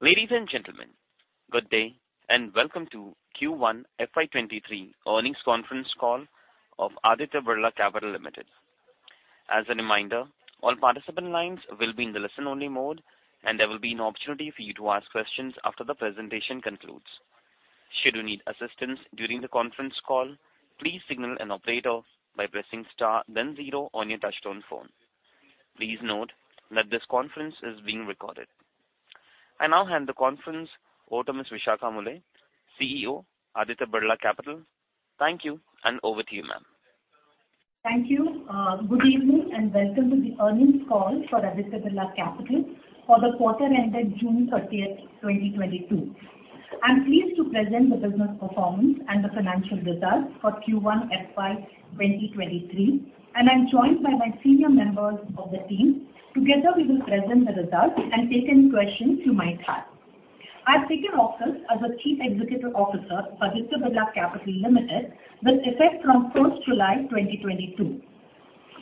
Ladies and gentlemen, good day and welcome to Q1 FY23 earnings conference call of Aditya Birla Capital Limited. As a reminder, all participant lines will be in the listen-only mode, and there will be an opportunity for you to ask questions after the presentation concludes. Should you need assistance during the conference call, please signal an operator by pressing star then zero on your touchtone phone. Please note that this conference is being recorded. I now hand the conference over to Ms. Vishakha Mulye, CEO, Aditya Birla Capital. Thank you, and over to you, ma'am. Thank you. Good evening and welcome to the earnings call for Aditya Birla Capital for the quarter ended June 30, 2022. I'm pleased to present the business performance and the financial results for Q1 FY 2023, and I'm joined by my senior members of the team. Together we will present the results and take any questions you might have. I've taken office as the Chief Executive Officer of Aditya Birla Capital Limited with effect from July 1, 2022.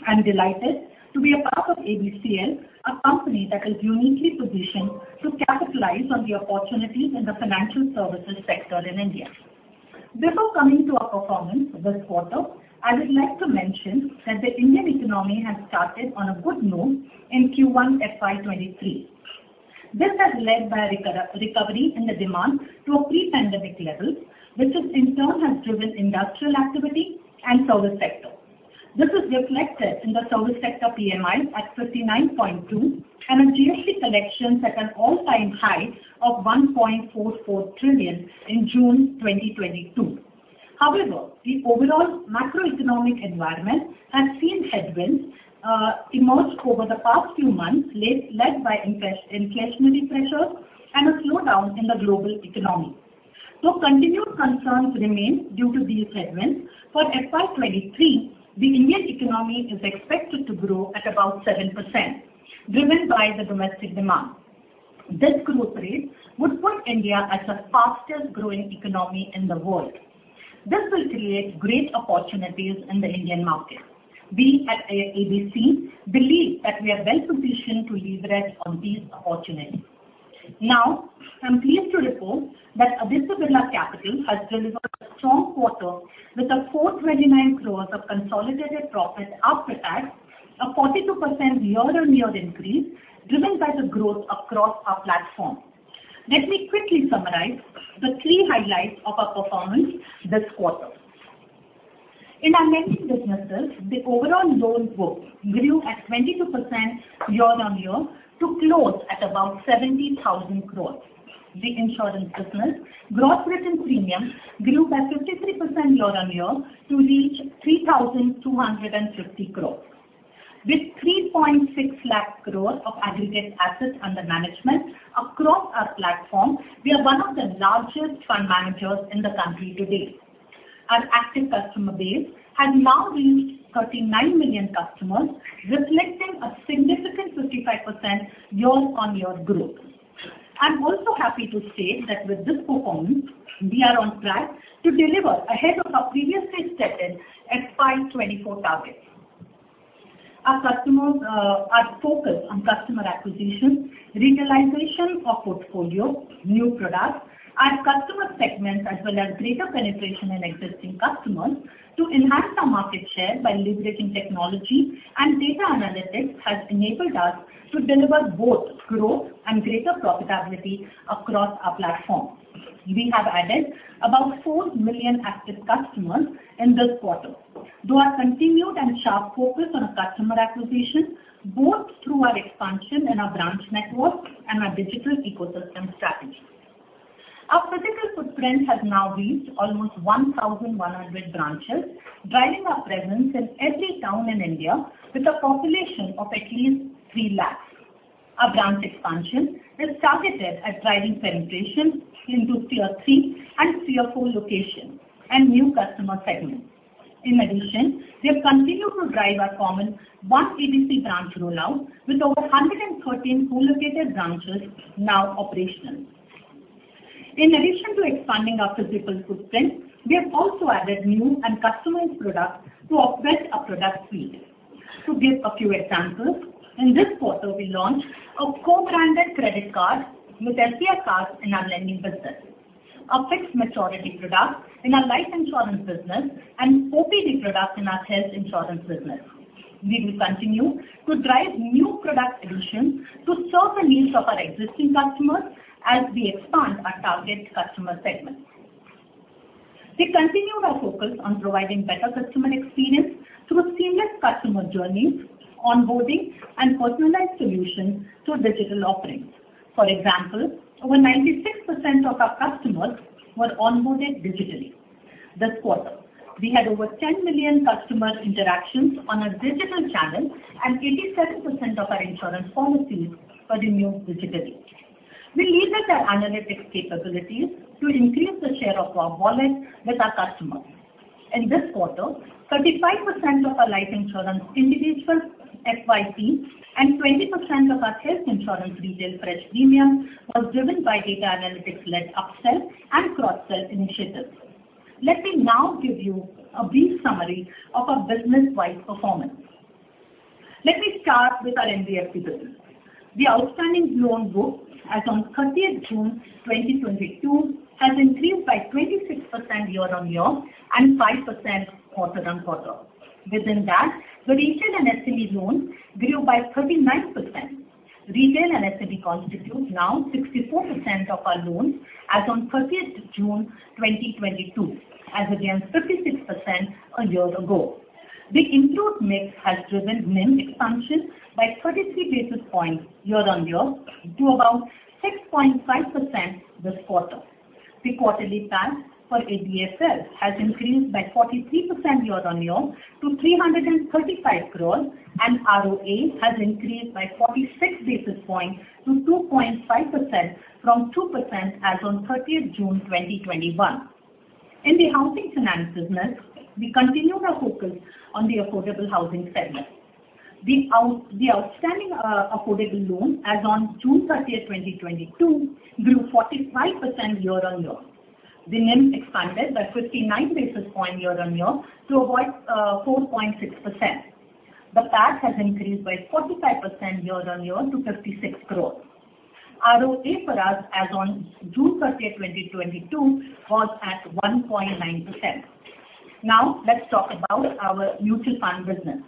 I'm delighted to be a part of ABCL, a company that is uniquely positioned to capitalize on the opportunities in the financial services sector in India. Before coming to our performance this quarter, I would like to mention that the Indian economy has started on a good note in Q1 FY 2023. This has led by a recovery in the demand to a pre-pandemic level, which in turn has driven industrial activity and service sector. This is reflected in the service sector PMI at 59.2 and our GST collections at an all-time high of 1.44 trillion in June 2022. However, the overall macroeconomic environment has seen headwinds emerge over the past few months led by inflationary pressures and a slowdown in the global economy. Though continued concerns remain due to these headwinds, for FY 2023, the Indian economy is expected to grow at about 7%, driven by the domestic demand. This growth rate would put India as the fastest growing economy in the world. This will create great opportunities in the Indian market. We at ABC believe that we are well-positioned to leverage on these opportunities. Now, I'm pleased to report that Aditya Birla Capital has delivered a strong quarter with 429 crore of consolidated profit after tax, a 42% year-on-year increase driven by the growth across our platform. Let me quickly summarize the three highlights of our performance this quarter. In our lending businesses, the overall loan book grew at 22% year-on-year to close at about 70,000 crore. The insurance business gross written premium grew by 53% year-on-year to reach 3,250 crore. With 3.6 lakh crore of aggregate assets under management across our platform, we are one of the largest fund managers in the country today. Our active customer base has now reached 39 million customers, reflecting a significant 55% year-on-year growth. I'm also happy to state that with this performance, we are on track to deliver ahead of our previously stated FY 2024 targets. Our focus on customer acquisition, retailization of portfolio, new products and customer segments as well as greater penetration in existing customers to enhance our market share by leveraging technology and data analytics has enabled us to deliver both growth and greater profitability across our platform. We have added about four million active customers in this quarter through our continued and sharp focus on our customer acquisition, both through our expansion in our branch network and our digital ecosystem strategy. Our physical footprint has now reached almost 1,100 branches, driving our presence in every town in India with a population of at least three lakhs. Our branch expansion is targeted at driving penetration into tier three and tier four locations and new customer segments. In addition, we have continued to drive our common One ABC branch rollout with over 113 co-located branches now operational. In addition to expanding our physical footprint, we have also added new and customized products to augment our product suite. To give a few examples, in this quarter we launched a co-branded credit card with SBI Cards in our lending business, a fixed maturity product in our life insurance business, and OPD product in our health insurance business. We will continue to drive new product solutions to serve the needs of our existing customers as we expand our target customer segments. We continue our focus on providing better customer experience through seamless customer journeys, onboarding and personalized solutions through digital offerings. For example, over 96% of our customers were onboarded digitally. This quarter, we had over 10 million customer interactions on our digital channel and 87% of our insurance policies were renewed digitally. We leveraged our analytics capabilities to increase the share of our wallet with our customers. In this quarter, 35% of our life insurance individual FYT and 20% of our health insurance retail fresh premium was driven by data analytics-led upsell and cross-sell initiatives. Let me now give you a brief summary of our business-wide performance. Let me start with our NBFC business. The outstanding loan book as on 30th June 2022 has increased by 26% year-on-year and 5% quarter-on-quarter. Within that, the retail and SME loans grew by 39%. Retail and SME constitute now 64% of our loans as on 30th June 2022, as against 56% a year ago. The improved mix has driven NIM expansion by 33 basis points year-on-year to about 6.5% this quarter. The quarterly PAT for ABFL has increased by 43% year-on-year to 335 crore, and ROA has increased by 46 basis points to 2.5% from 2% as on 30th June 2021. In the housing finance business, we continue our focus on the affordable housing segment. The outstanding affordable loans as on June 30th, 2022 grew 45% year-on-year. The NIM expanded by 59 basis points year-on-year to about 4.6%. The PAT has increased by 45% year-on-year to 56 crore. ROA for us as on June 30, 2022 was at 1.9%. Now let's talk about our mutual fund business.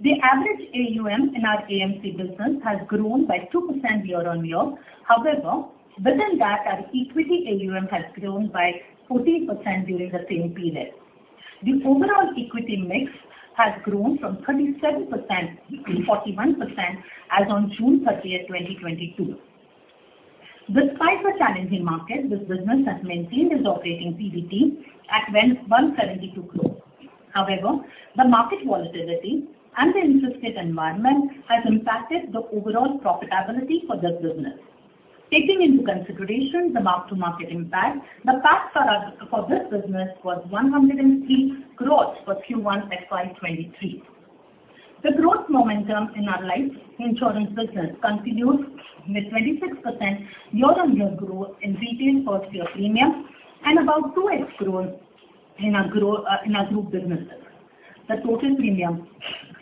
The average AUM in our AMC business has grown by 2% year-on-year. However, within that, our equity AUM has grown by 14% during the same period. The overall equity mix has grown from 37% to 41% as on June 30, 2022. Despite the challenging market, this business has maintained its operating PBT at 172 crore. However, the market volatility and the interest rate environment has impacted the overall profitability for this business. Taking into consideration the mark-to-market impact, the PAT for us for this business was 103 crore for Q1 FY23. The growth momentum in our life insurance business continues with 26% year-on-year growth in retail portfolio premiums and about 2x growth in our group businesses. The total premium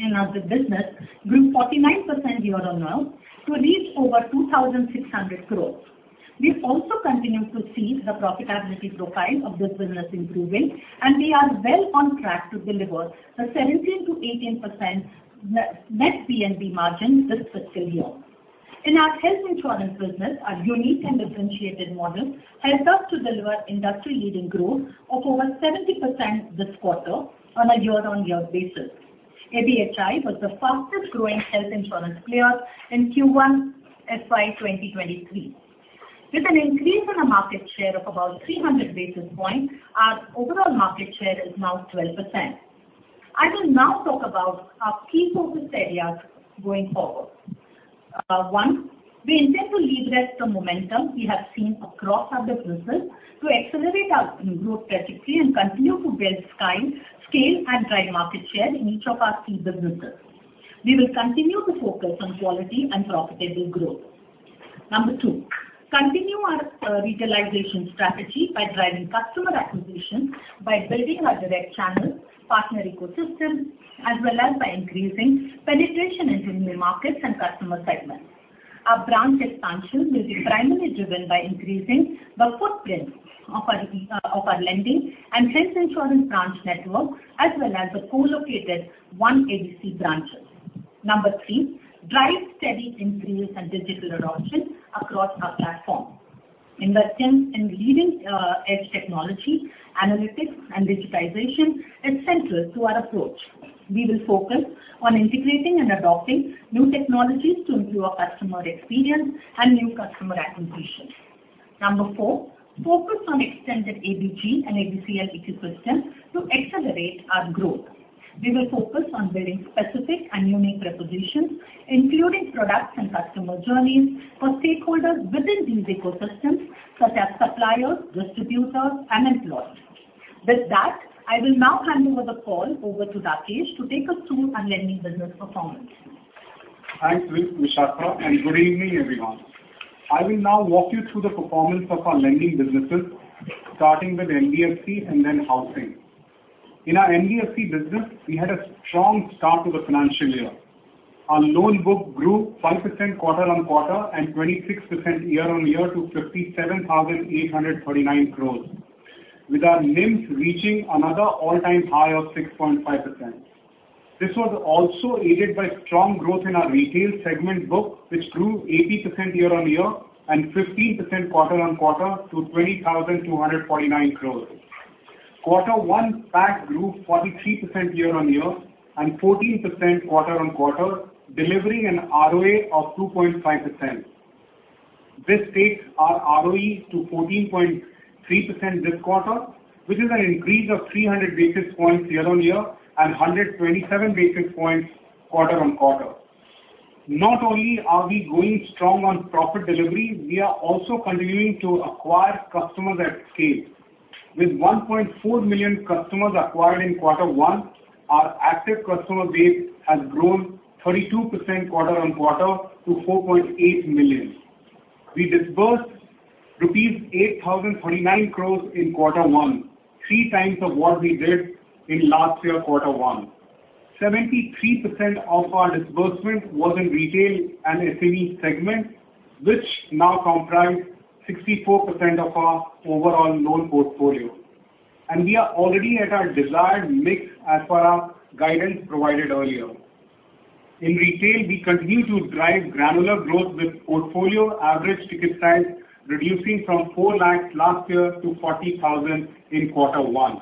in our business grew 49% year-on-year to reach over 2,600 crores. We also continue to see the profitability profile of this business improving, and we are well on track to deliver the 17%-18% net VNB margin this fiscal year. In our health insurance business, our unique and differentiated model helped us to deliver industry-leading growth of over 70% this quarter on a year-on-year basis. ABHI was the fastest-growing health insurance player in Q1 FY 2023. With an increase in the market share of about 300 basis points, our overall market share is now 12%. I will now talk about our key focus areas going forward. One, we intend to leverage the momentum we have seen across other business to accelerate our growth strategy and continue to build scale and drive market share in each of our key businesses. We will continue to focus on quality and profitable growth. Number two, continue our regionalization strategy by driving customer acquisition by building our direct channel partner ecosystem, as well as by increasing penetration into new markets and customer segments. Our branch expansion will be primarily driven by increasing the footprint of our lending and health insurance branch network, as well as the co-located One ABC branches. Number three, drive steady increase in digital adoption across our platform. Investments in leading edge technology, analytics and digitization is central to our approach. We will focus on integrating and adopting new technologies to improve customer experience and new customer acquisition. Number four, focus on extended ABG and ABCL ecosystems to accelerate our growth. We will focus on building specific and unique propositions, including products and customer journeys for stakeholders within these ecosystems such as suppliers, distributors and employers. With that, I will now hand over the call to Rakesh to take us through our lending business performance. Thanks, Vishakha, and good evening, everyone. I will now walk you through the performance of our lending businesses, starting with NBFC and then housing. In our NBFC business, we had a strong start to the financial year. Our loan book grew 5% quarter-on-quarter and 26% year-on-year to 57,839 crore, with our NIMs reaching another all-time high of 6.5%. This was also aided by strong growth in our retail segment book, which grew 80% year-on-year and 15% quarter-on-quarter to 20,249 crore. Quarter one assets grew 43% year-on-year and 14% quarter-on-quarter, delivering an ROA of 2.5%. This takes our ROE to 14.3% this quarter, which is an increase of 300 basis points year-on-year and 127 basis points quarter-on-quarter. Not only are we growing strong on profit delivery, we are also continuing to acquire customers at scale. With 1.4 million customers acquired in quarter one, our active customer base has grown 32% quarter-on-quarter to 4.8 million. We disbursed rupees 8,049 crores in quarter one, three times of what we did in quarter one last year. 73% of our disbursement was in retail and SME segment, which now comprise 64% of our overall loan portfolio. We are already at our desired mix as per our guidance provided earlier. In retail, we continue to drive granular growth with portfolio average ticket size reducing from 4 lakhs last year to 40,000 in quarter one.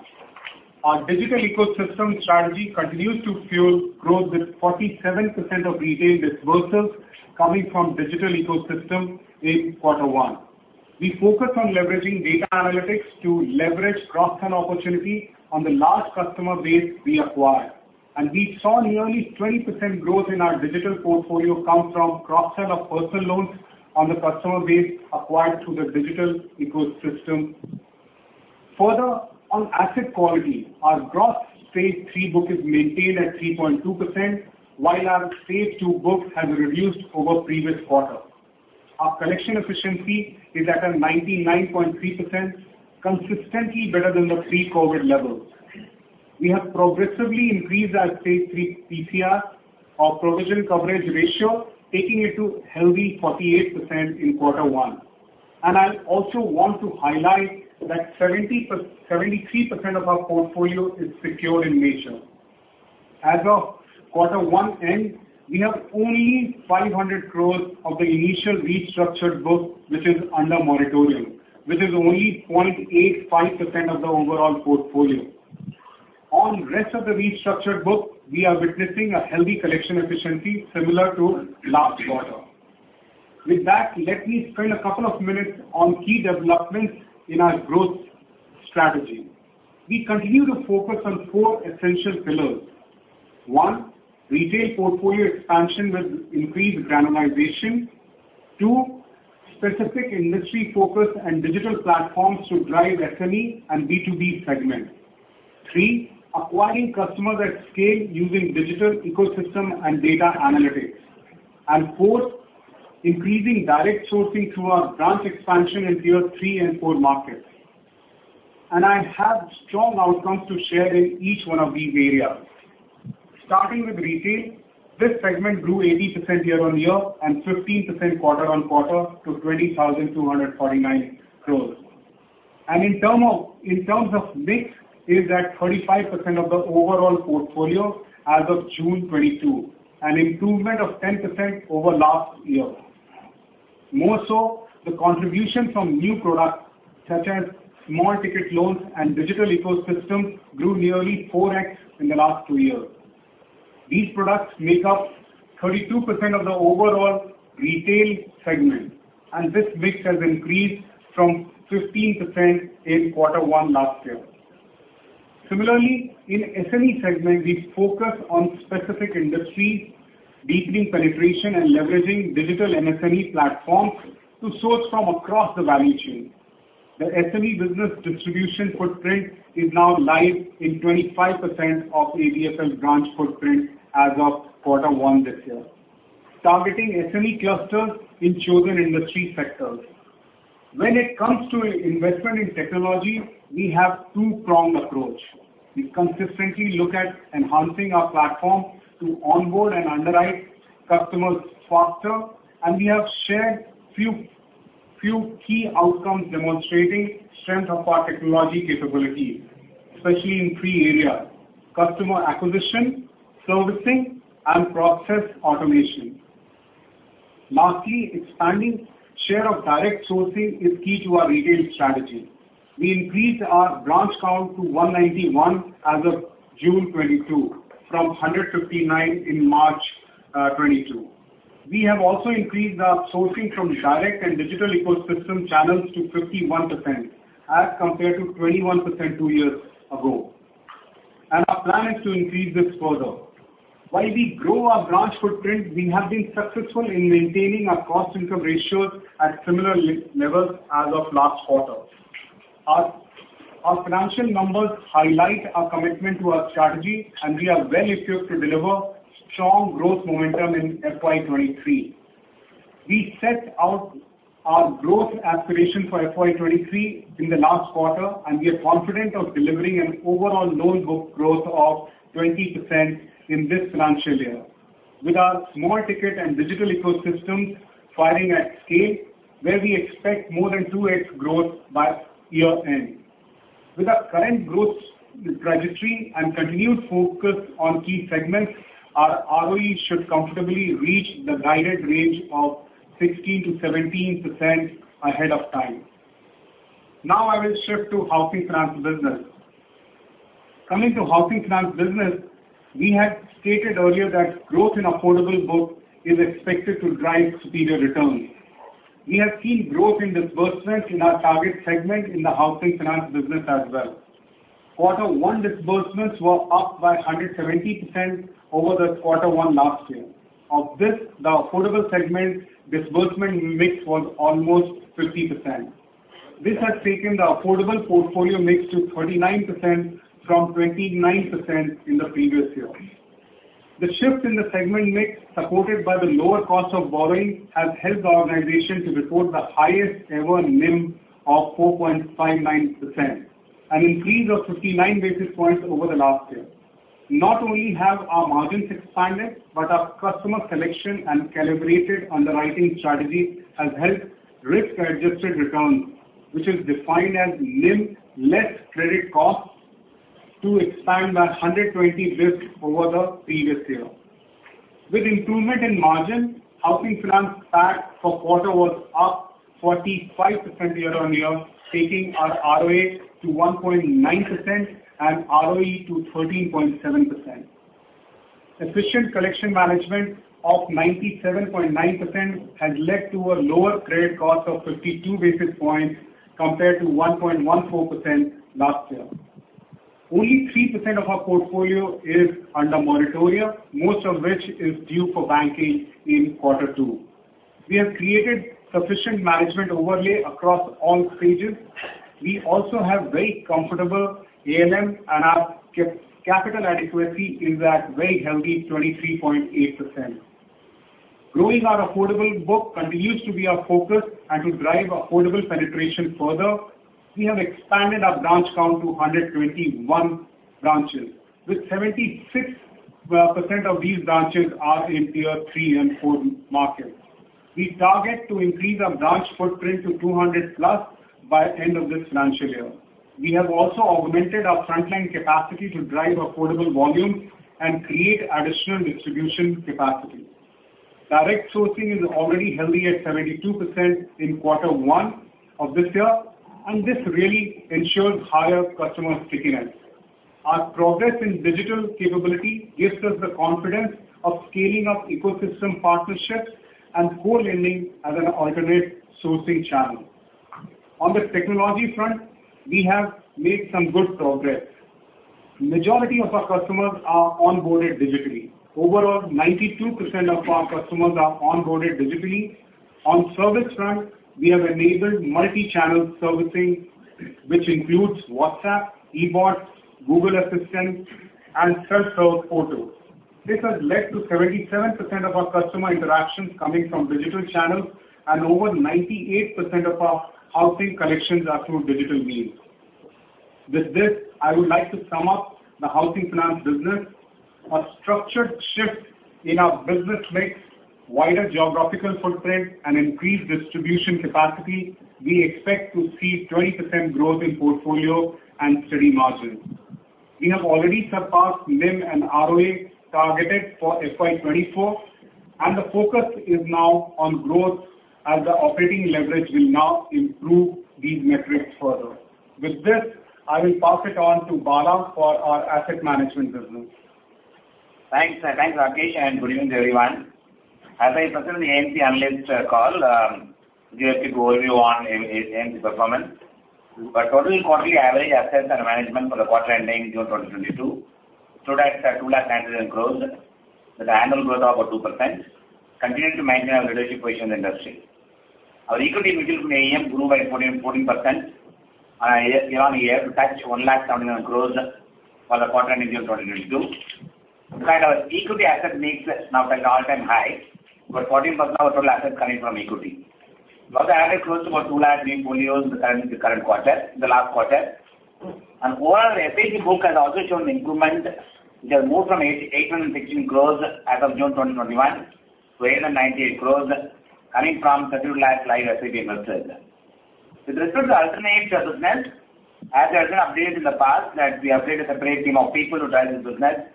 Our digital ecosystem strategy continues to fuel growth with 47% of retail disbursements coming from digital ecosystem in quarter one. We focus on leveraging data analytics to leverage cross-sell opportunity on the large customer base we acquired. We saw nearly 20% growth in our digital portfolio come from cross-sell of personal loans on the customer base acquired through the digital ecosystem. Further, on asset quality, our gross stage three book is maintained at 3.2%, while our stage two book has reduced over previous quarter. Our collection efficiency is at a 99.3%, consistently better than the pre-COVID levels. We have progressively increased our stage three PCR or provision coverage ratio, taking it to healthy 48% in quarter one. I also want to highlight that 70%-73% of our portfolio is secured in nature. As of quarter one end, we have only 500 crores of the initial restructured book which is under moratorium, which is only 0.85% of the overall portfolio. On rest of the restructured book, we are witnessing a healthy collection efficiency similar to last quarter. With that, let me spend a couple of minutes on key developments in our growth strategy. We continue to focus on four essential pillars. one, retail portfolio expansion with increased granularization. two, specific industry focus and digital platforms to drive SME and B2B segment. three, acquiring customers at scale using digital ecosystem and data analytics. four, increasing direct sourcing through our branch expansion in tier 3 and 4 markets. I have strong outcomes to share in each one of these areas. Starting with retail, this segment grew 80% year-on-year and 15% quarter-on-quarter to 20,249 crores. In terms of mix, it is at 35% of the overall portfolio as of June 2022, an improvement of 10% over last year. More so, the contribution from new products such as small ticket loans and digital ecosystem grew nearly 4x in the last two years. These products make up 32% of the overall retail segment, and this mix has increased from 15% in quarter one last year. Similarly, in SME segment, we focus on specific industries, deepening penetration and leveraging digital MSME platforms to source from across the value chain. The SME business distribution footprint is now live in 25% of ABFL's branch footprint as of quarter one this year. Targeting SME clusters in chosen industry sectors. When it comes to investment in technology, we have two-pronged approach. We consistently look at enhancing our platform to onboard and underwrite customers faster, and we have shared few key outcomes demonstrating strength of our technology capabilities, especially in three areas, customer acquisition, servicing, and process automation. Lastly, expanding share of direct sourcing is key to our retail strategy. We increased our branch count to 191 as of June 2022 from 159 in March 2022. We have also increased our sourcing from direct and digital ecosystem channels to 51% as compared to 21% two years ago. Our plan is to increase this further. While we grow our branch footprint, we have been successful in maintaining our cost income ratios at similar levels as of last quarter. Our financial numbers highlight our commitment to our strategy, and we are well equipped to deliver strong growth momentum in FY 2023. We set out our growth aspiration for FY 2023 in the last quarter, and we are confident of delivering an overall loan book growth of 20% in this financial year. With our small ticket and digital ecosystem firing at scale, where we expect more than 2x growth by year end. With our current growth trajectory and continued focus on key segments, our ROE should comfortably reach the guided range of 16%-17% ahead of time. Now I will shift to housing finance business. Coming to housing finance business, we had stated earlier that growth in affordable book is expected to drive superior returns. We have seen growth in disbursements in our target segment in the housing finance business as well. Quarter one disbursements were up by 170% over the quarter one last year. Of this, the affordable segment disbursement mix was almost 50%. This has taken the affordable portfolio mix to 39% from 29% in the previous year. The shift in the segment mix, supported by the lower cost of borrowing, has helped the organization to report the highest ever NIM of 4.59%, an increase of 59 basis points over the last year. Not only have our margins expanded, but our customer selection and calibrated underwriting strategy has helped risk-adjusted returns, which is defined as NIM less credit costs, to expand by 120 bps over the previous year. With improvement in margin, housing finance PAT for quarter was up 45% year-on-year, taking our ROA to 1.9% and ROE to 13.7%. Efficient collection management of 97.9% has led to a lower credit cost of 52 basis points compared to 1.14% last year. Only 3% of our portfolio is under moratoria, most of which is due for unbooking in quarter two. We have created sufficient management overlay across all stages. We also have very comfortable ALM and our capital adequacy is at very healthy 23.8%. Growing our affordable book continues to be our focus and to drive affordable penetration further. We have expanded our branch count to 121 branches, with 76% of these branches are in tier three and four markets. We target to increase our branch footprint to 200+ by end of this financial year. We have also augmented our frontline capacity to drive affordable volume and create additional distribution capacity. Direct sourcing is already healthy at 72% in quarter one of this year, and this really ensures higher customer stickiness. Our progress in digital capability gives us the confidence of scaling up ecosystem partnerships and co-lending as an alternate sourcing channel. On the technology front, we have made some good progress. Majority of our customers are onboarded digitally. Overall, 92% of our customers are onboarded digitally. On service front, we have enabled multi-channel servicing, which includes WhatsApp, eBots, Google Assistant, and self-serve portals. This has led to 77% of our customer interactions coming from digital channels and over 98% of our housing collections are through digital means. With this, I would like to sum up the housing finance business. A structured shift in our business mix, wider geographical footprint, and increased distribution capacity, we expect to see 20% growth in portfolio and steady margins. We have already surpassed NIM and ROA targeted for FY 2024, and the focus is now on growth as the operating leverage will now improve these metrics further. With this, I will pass it on to Bala for our asset management business. Thanks, Rakesh, and good evening to everyone. As presented in the AMC analyst call, it gives you the overview on AMC performance. Our total quarterly average assets under management for the quarter ending June 2022 stood at 2.99 lakh crore with an annual growth of about 2%, continuing to maintain our leadership position in the industry. Our equity mutual fund AUM grew by 14% year-on-year to touch 1.79 lakh crore for the quarter ending June 2022. In fact, our equity asset mix now touched all-time high, with 14% of our total assets coming from equity. Total average growth about 200,000 new portfolios in the current quarter, in the last quarter. Overall, the FPC book has also shown improvement. It has moved from 816 crore as of June 2021 to 898 crore coming from 32 lakh live FPC investors. With respect to alternative business, as we have been updated in the past that we have built a separate team of people to drive this business.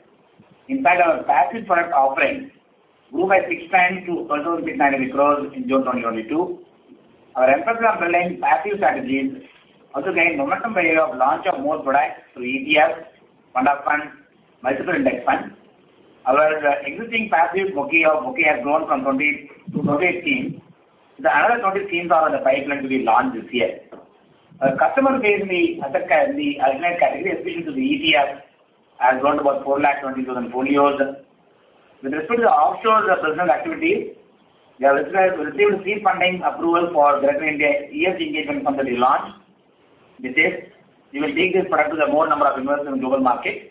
In fact, our passive product offerings grew by six times to 1,299 crore rupees in June 2022. Our emphasis on building passive strategies also gained momentum by way of launch of more products through ETFs, fund of funds, multiple index funds. Our existing passive book has grown from 20-28 schemes. There are another 20 schemes in the pipeline to be launched this year. Our customer base in the alternative category, especially the ETF, has grown to about 4.22 lakh portfolios. With respect to the offshore business activity, we have received seed funding approval for Aditya Birla Sun Life ESG Integration Strategy Fund to be launched. With this, we will take this product to the more number of investors in global market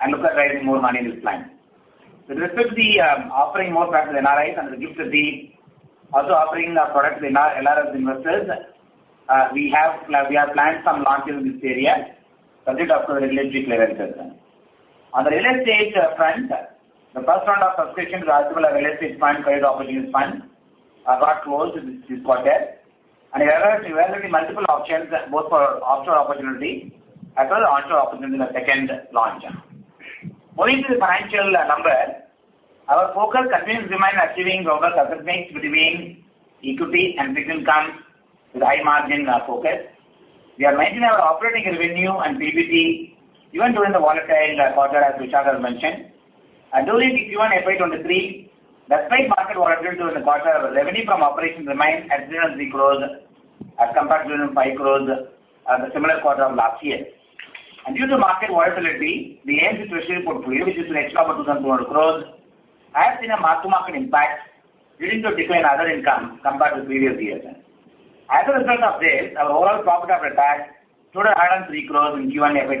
and look at raising more money in this plan. With respect to offering more products to NRIs and with respect to also offering our product to NRI investors, we have planned some launches in this area subject to our regulatory clearances. On the real estate front, the first round of subscription to Aditya Birla Real Estate Fund, Stressed Opportunities Fund, are got closed this quarter. We are evaluating multiple options both for offshore opportunity as well as onshore opportunity in the second launch. Moving to the financial number, our focus continues to remain achieving robust asset mix between equity and fixed income with high margin focus. We are maintaining our operating revenue and PBT even during the volatile quarter, as Vishakha Mulye has mentioned. During Q1 FY 2023, despite market volatility during the quarter, our revenue from operations remained at 303 crores as compared to 5 crores at the similar quarter of last year. Due to market volatility, the AMC trust portfolio, which is in excess of INR 2,200 crores, has seen a mark-to-market impact leading to a decline in other income compared to previous years. As a result of this, our overall profit after tax stood at 103 crores in Q1 FY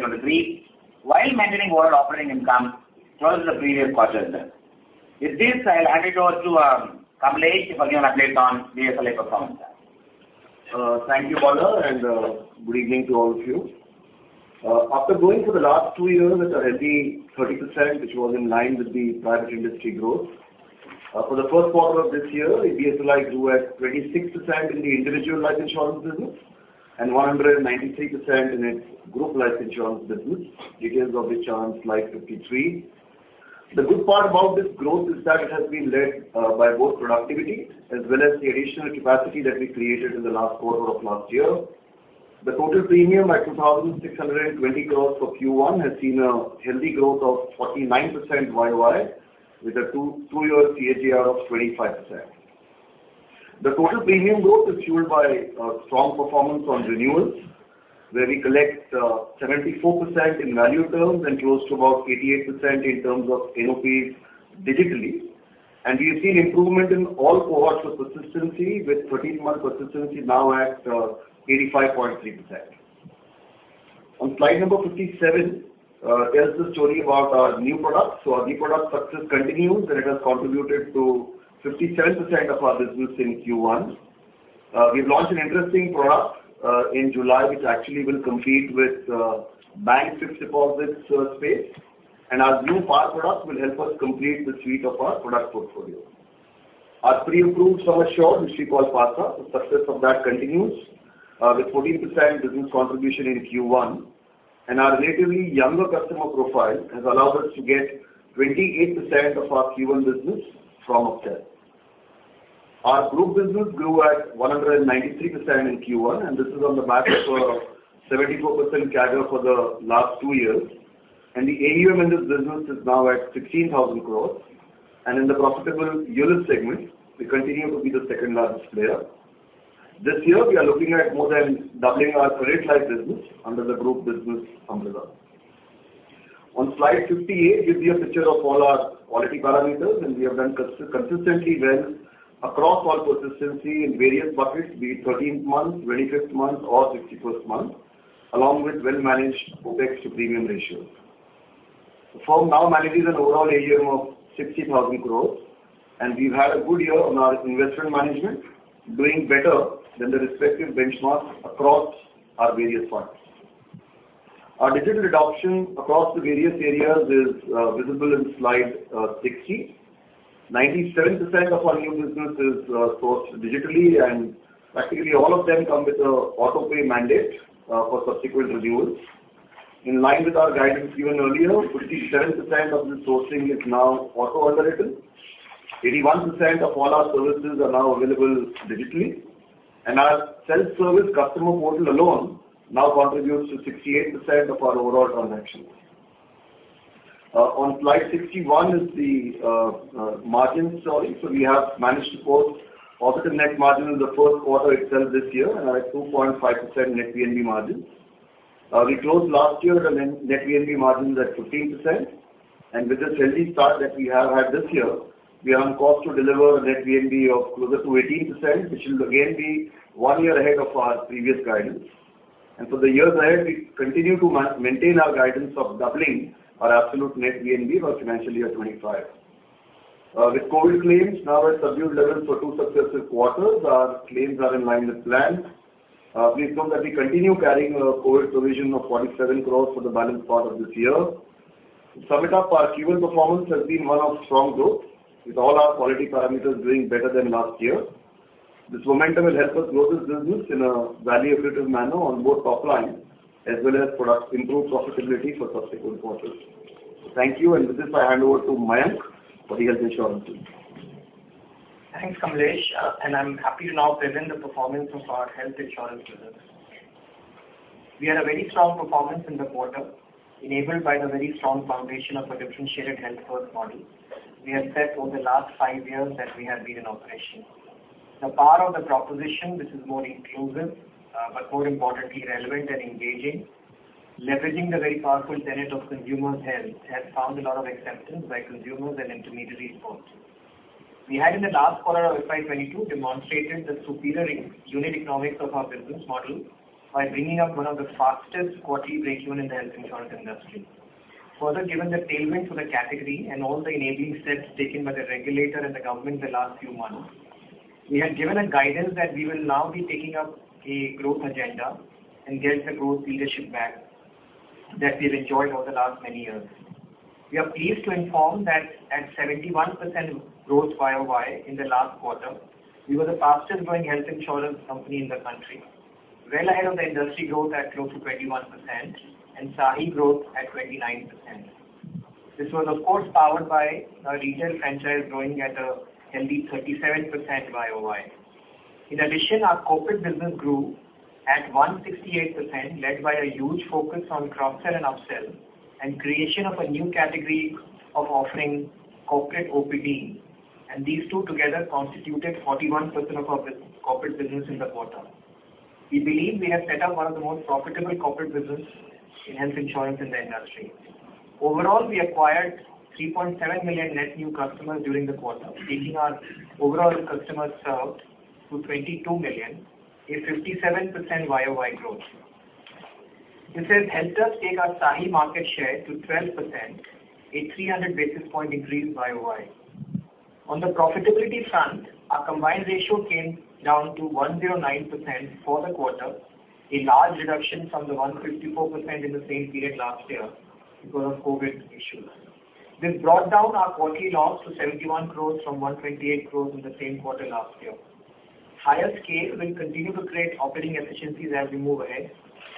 2023, while maintaining overall operating income close to the previous quarter. With this, I'll hand it over to Kamlesh for giving update on BSLI performance. Thank you, Bala, and good evening to all of you. After growing for the last two years at a healthy 30%, which was in line with the private industry growth, for the first quarter of this year, BSLI grew at 26% in the individual life insurance business and 193% in its group life insurance business because of the chance Life fifty-three. The good part about this growth is that it has been led by both productivity as well as the additional capacity that we created in the last quarter of last year. The total premium is 2,620 crores for Q1 has seen a healthy growth of 49% YoY, with a two-year CAGR of 25%. The total premium growth is fueled by strong performance on renewals, where we collect 74% in value terms and close to about 88% in terms of AOPs digitally. We have seen improvement in all cohorts for consistency, with 13-month consistency now at 85.3%. On slide number 57 tells the story about our new products. Our new product success continues, and it has contributed to 57% of our business in Q1. We've launched an interesting product in July, which actually will compete with bank fixed deposits space. Our new Par product will help us complete the suite of our product portfolio. Our pre-approved personal loan, which we call PASS, the success of that continues with 14% business contribution in Q1. Our relatively younger customer profile has allowed us to get 28% of our Q1 business from upstairs. Our group business grew at 193% in Q1, and this is on the back of a 74% CAGR for the last two years. The AUM in this business is now at 16,000 crore. In the profitable unit segment, we continue to be the second-largest player. This year we are looking at more than doubling our credit life business under the group business umbrella. On slide 58 gives you a picture of all our quality parameters, and we have done consistently well across all persistency in various buckets, be it 13th month, 25th month or 61st month, along with well-managed OPEX to premium ratio. The firm now manages an overall AUM of 60,000 crores, and we've had a good year on our investment management, doing better than the respective benchmarks across our various funds. Our digital adoption across the various areas is visible in slide 60. 97% of our new business is sourced digitally, and practically all of them come with an autopay mandate for subsequent renewals. In line with our guidance given earlier, 57% of the sourcing is now auto underwritten. 81% of all our services are now available digitally. Our self-service customer portal alone now contributes to 68% of our overall transactions. On slide 61 is the margin story. We have managed to post positive net margin in the first quarter itself this year and at 2.5% net VNB margins. We closed last year the net VNB margins at 15%. With this healthy start that we have had this year, we are on course to deliver a net VNB of closer to 18%, which will again be one year ahead of our previous guidance. For the years ahead, we continue to maintain our guidance of doubling our absolute net VNB for financial year 2025. With COVID claims now at subdued levels for two successive quarters, our claims are in line with plans. Please note that we continue carrying a COVID provision of 47 crore for the balance part of this year. To sum it up, our Q1 performance has been one of strong growth, with all our quality parameters doing better than last year. This momentum will help us grow this business in a value-additive manner on both top line as well as product improved profitability for subsequent quarters. Thank you, with this I hand over to Mayank for the health insurance update. Thanks, Kamlesh. I'm happy to now present the performance of our health insurance business. We had a very strong performance in the quarter, enabled by the very strong foundation of a differentiated health first model we have set over the last five years that we have been in operation. The power of the proposition, which is more inclusive, but more importantly relevant and engaging, leveraging the very powerful tenet of consumer's health, has found a lot of acceptance by consumers and intermediary folks. We had in the last quarter of FY 2022 demonstrated the superior unit economics of our business model by bringing up one of the fastest quarterly breakeven in the health insurance industry. Further, given the tailwind for the category and all the enabling steps taken by the regulator and the government the last few months, we had given a guidance that we will now be taking up a growth agenda and get the growth leadership back that we've enjoyed over the last many years. We are pleased to inform that at 71% growth YoY in the last quarter, we were the fastest growing health insurance company in the country, well ahead of the industry growth at close to 21% and SAHI growth at 29%. This was of course powered by our retail franchise growing at a healthy 37% YoY. In addition, our corporate business grew at 168%, led by a huge focus on cross-sell and up-sell and creation of a new category of offering corporate OPD. These two together constituted 41% of our corporate business in the quarter. We believe we have set up one of the most profitable corporate business in health insurance in the industry. Overall, we acquired 3.7 million net new customers during the quarter, taking our overall customers served to 22 million, a 57% YoY growth. This has helped us take our SAHI market share to 12%, a 300 basis point increase YoY. On the profitability front, our combined ratio came down to 109% for the quarter, a large reduction from the 154% in the same period last year because of COVID issues. This brought down our quarterly loss to 71 crores from 128 crores in the same quarter last year. Higher scale will continue to create operating efficiencies as we move ahead,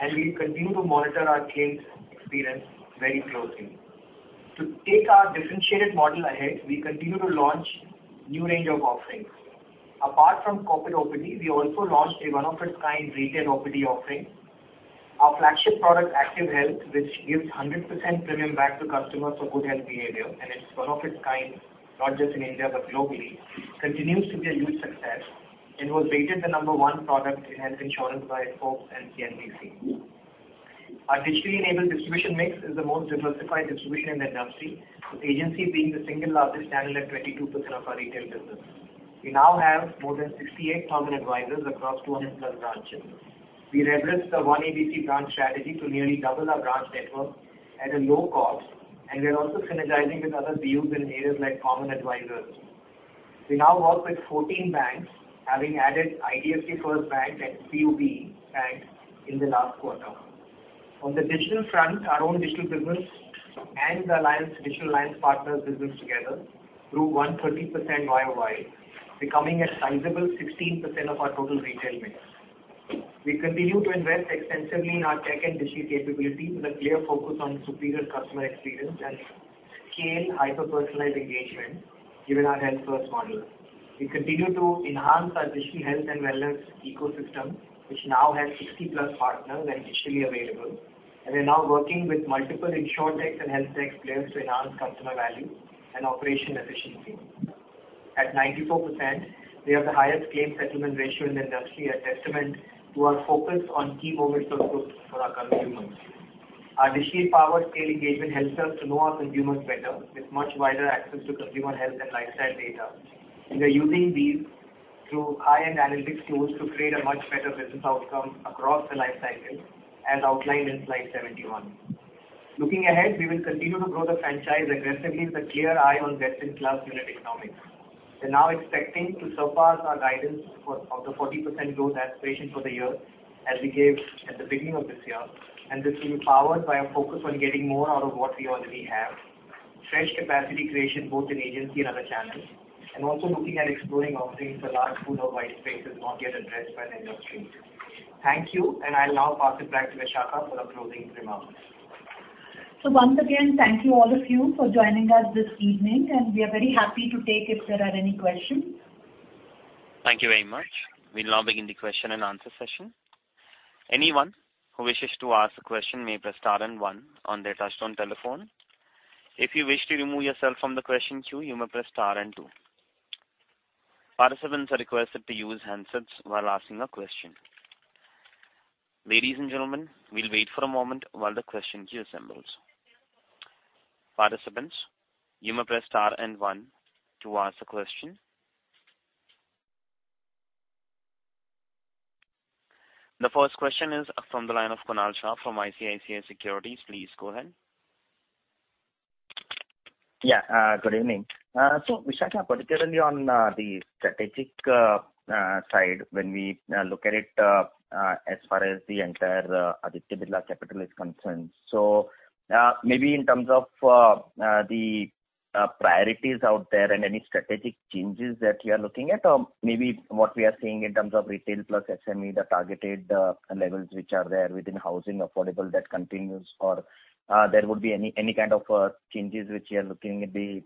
and we'll continue to monitor our claims experience very closely. To take our differentiated model ahead, we continue to launch new range of offerings. Apart from corporate OPD, we also launched a one of its kind retail OPD offering. Our flagship product, Activ Health, which gives 100% premium back to customers for good health behavior, and it's one of its kind, not just in India, but globally, continues to be a huge success and was rated the number one product in health insurance by Forbes and CNBC. Our digitally enabled distribution mix is the most diversified distribution in the industry, with agency being the single largest channel at 22% of our retail business. We now have more than 68,000 advisors across 200+ branches. We leveraged the One ABC branch strategy to nearly double our branch network at a low cost, and we are also synergizing with other BUs in areas like common advisors. We now work with 14 banks, having added IDFC First Bank and Bank of Baroda in the last quarter. On the digital front, our own digital business and the alliance, digital alliance partners business together grew 130% YoY, becoming a sizable 16% of our total retail mix. We continue to invest extensively in our tech and digital capabilities with a clear focus on superior customer experience and scale hyper-personalized engagement given our Health First model. We continue to enhance our digital health and wellness ecosystem, which now has 60+ partners and digitally available. We're now working with multiple Insurtech and Healthtech players to enhance customer value and operational efficiency. At 94%, we have the highest claim settlement ratio in the industry, a testament to our focus on key moments of truth for our consumers. Our digital-powered scale engagement helps us to know our consumers better with much wider access to customer health and lifestyle data. We are using these through high-end analytics tools to create a much better business outcome across the life cycle, as outlined in slide 71. Looking ahead, we will continue to grow the franchise aggressively with a clear eye on best-in-class unit economics. We're now expecting to surpass our guidance for the 40% growth aspiration for the year, as we gave at the beginning of this year. This will be powered by a focus on getting more out of what we already have. Fresh capacity creation, both in agency and other channels, and also looking at exploring offerings, the large pool of white space is not yet addressed by the industry. Thank you. I'll now pass it back to Vishakha for closing remarks. Once again, thank you, all of you, for joining us this evening. We are very happy to take if there are any questions. Thank you very much. We'll now begin the question and answer session. Anyone who wishes to ask a question may press star and one on their touchtone telephone. If you wish to remove yourself from the question queue, you may press star and two. Participants are requested to use handsets while asking a question. Ladies and gentlemen, we'll wait for a moment while the question queue assembles. Participants, you may press star and one to ask a question. The first question is from the line of Kunal Shah from ICICI Securities. Please go ahead. Good evening. Vishakha, particularly on the strategic side, when we look at it, as far as the entire Aditya Birla Capital is concerned. Maybe in terms of the priorities out there and any strategic changes that you are looking at, or maybe what we are seeing in terms of retail plus SME, the targeted levels which are there within affordable housing that continues or there would be any kind of changes which you are looking at the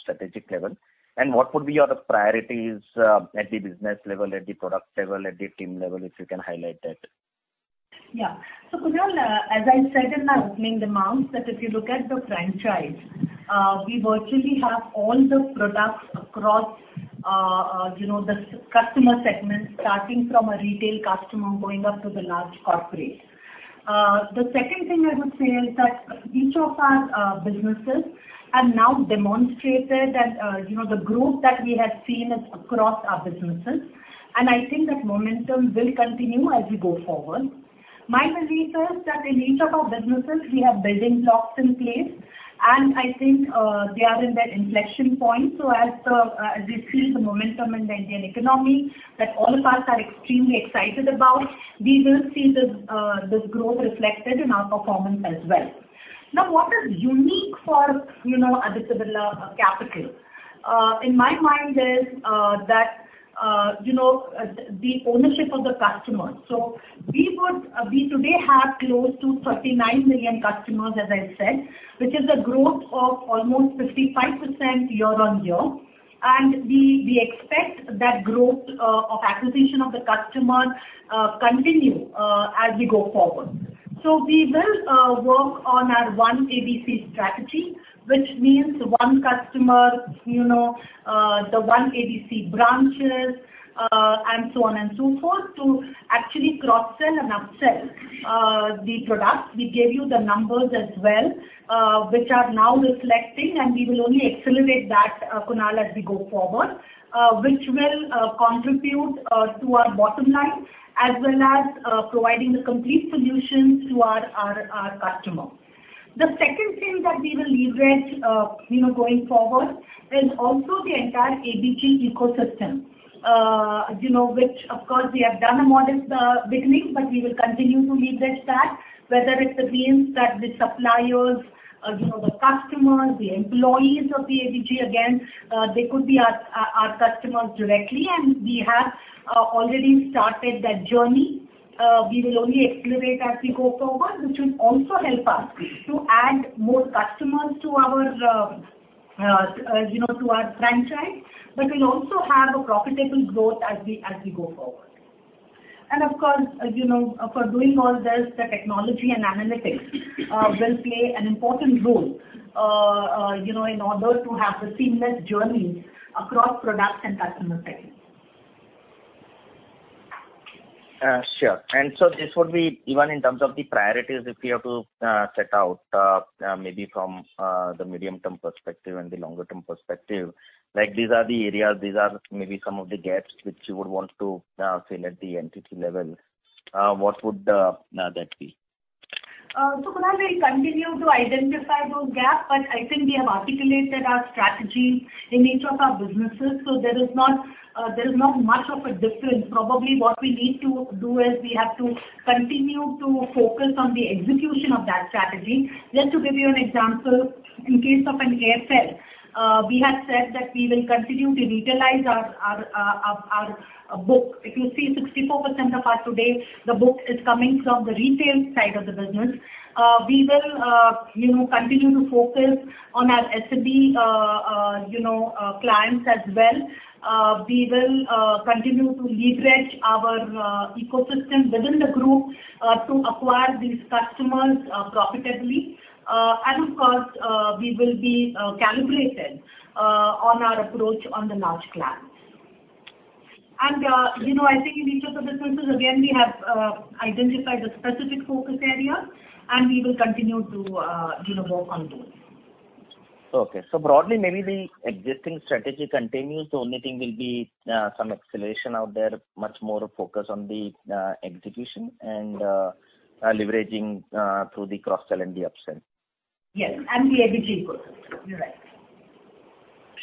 strategic level. What would be your priorities at the business level, at the product level, at the team level, if you can highlight that. Yeah. Kunal, as I said in my opening remarks, that if you look at the franchise, we virtually have all the products across, you know, the SME customer segment, starting from a retail customer going up to the large corporate. The second thing I would say is that each of our businesses have now demonstrated and, you know, the growth that we have seen is across our businesses. I think that momentum will continue as we go forward. My belief is that in each of our businesses we have building blocks in place, and I think, they are in their inflection point. As we feel the momentum in the Indian economy that all of us are extremely excited about, we will see this growth reflected in our performance as well. Now, what is unique for, you know, Aditya Birla Capital, in my mind is, that, you know, the ownership of the customer. We today have close to 39 million customers, as I said, which is a growth of almost 55% year-on-year. We expect that growth of acquisition of the customer continue as we go forward. We will work on our One ABC strategy, which means one customer, you know, the One ABC branches, and so on and so forth, to actually cross-sell and upsell the products. We gave you the numbers as well, which are now reflecting, and we will only accelerate that, Kunal, as we go forward. which will contribute to our bottom line as well as providing the complete solution to our customer. The second thing that we will leverage, you know, going forward is also the entire ABG ecosystem. you know, which of course, we have done a modest beginning, but we will continue to leverage that, whether it means that the suppliers, you know, the customers, the employees of the ABG, again, they could be our customers directly, and we have already started that journey. we will only accelerate as we go forward, which will also help us to add more customers to our franchise, but we'll also have a profitable growth as we go forward. Of course, you know, for doing all this, the technology and analytics will play an important role, you know, in order to have the seamless journey across products and customer segments. Sure. This would be even in terms of the priorities if we have to set out maybe from the medium-term perspective and the longer-term perspective, like these are the areas, these are maybe some of the gaps which you would want to fill at the entity level. What would that be? Kunal, we continue to identify those gaps, but I think we have articulated our strategy in each of our businesses, so there is not much of a difference. Probably what we need to do is we have to continue to focus on the execution of that strategy. Just to give you an example, in case of ABFL, we have said that we will continue to utilize our book. If you see 64% of our book today, the book is coming from the retail side of the business. We will, you know, continue to focus on our SME clients as well. We will continue to leverage our ecosystem within the group to acquire these customers profitably. Of course, we will be calibrated on our approach on the large clients. You know, I think in each of the businesses, again, we have identified the specific focus areas, and we will continue to, you know, work on those. Okay. Broadly, maybe the existing strategy continues. The only thing will be some acceleration out there, much more focus on the execution and leveraging through the cross-sell and the upsell. Yes. The ABG ecosystem. You're right.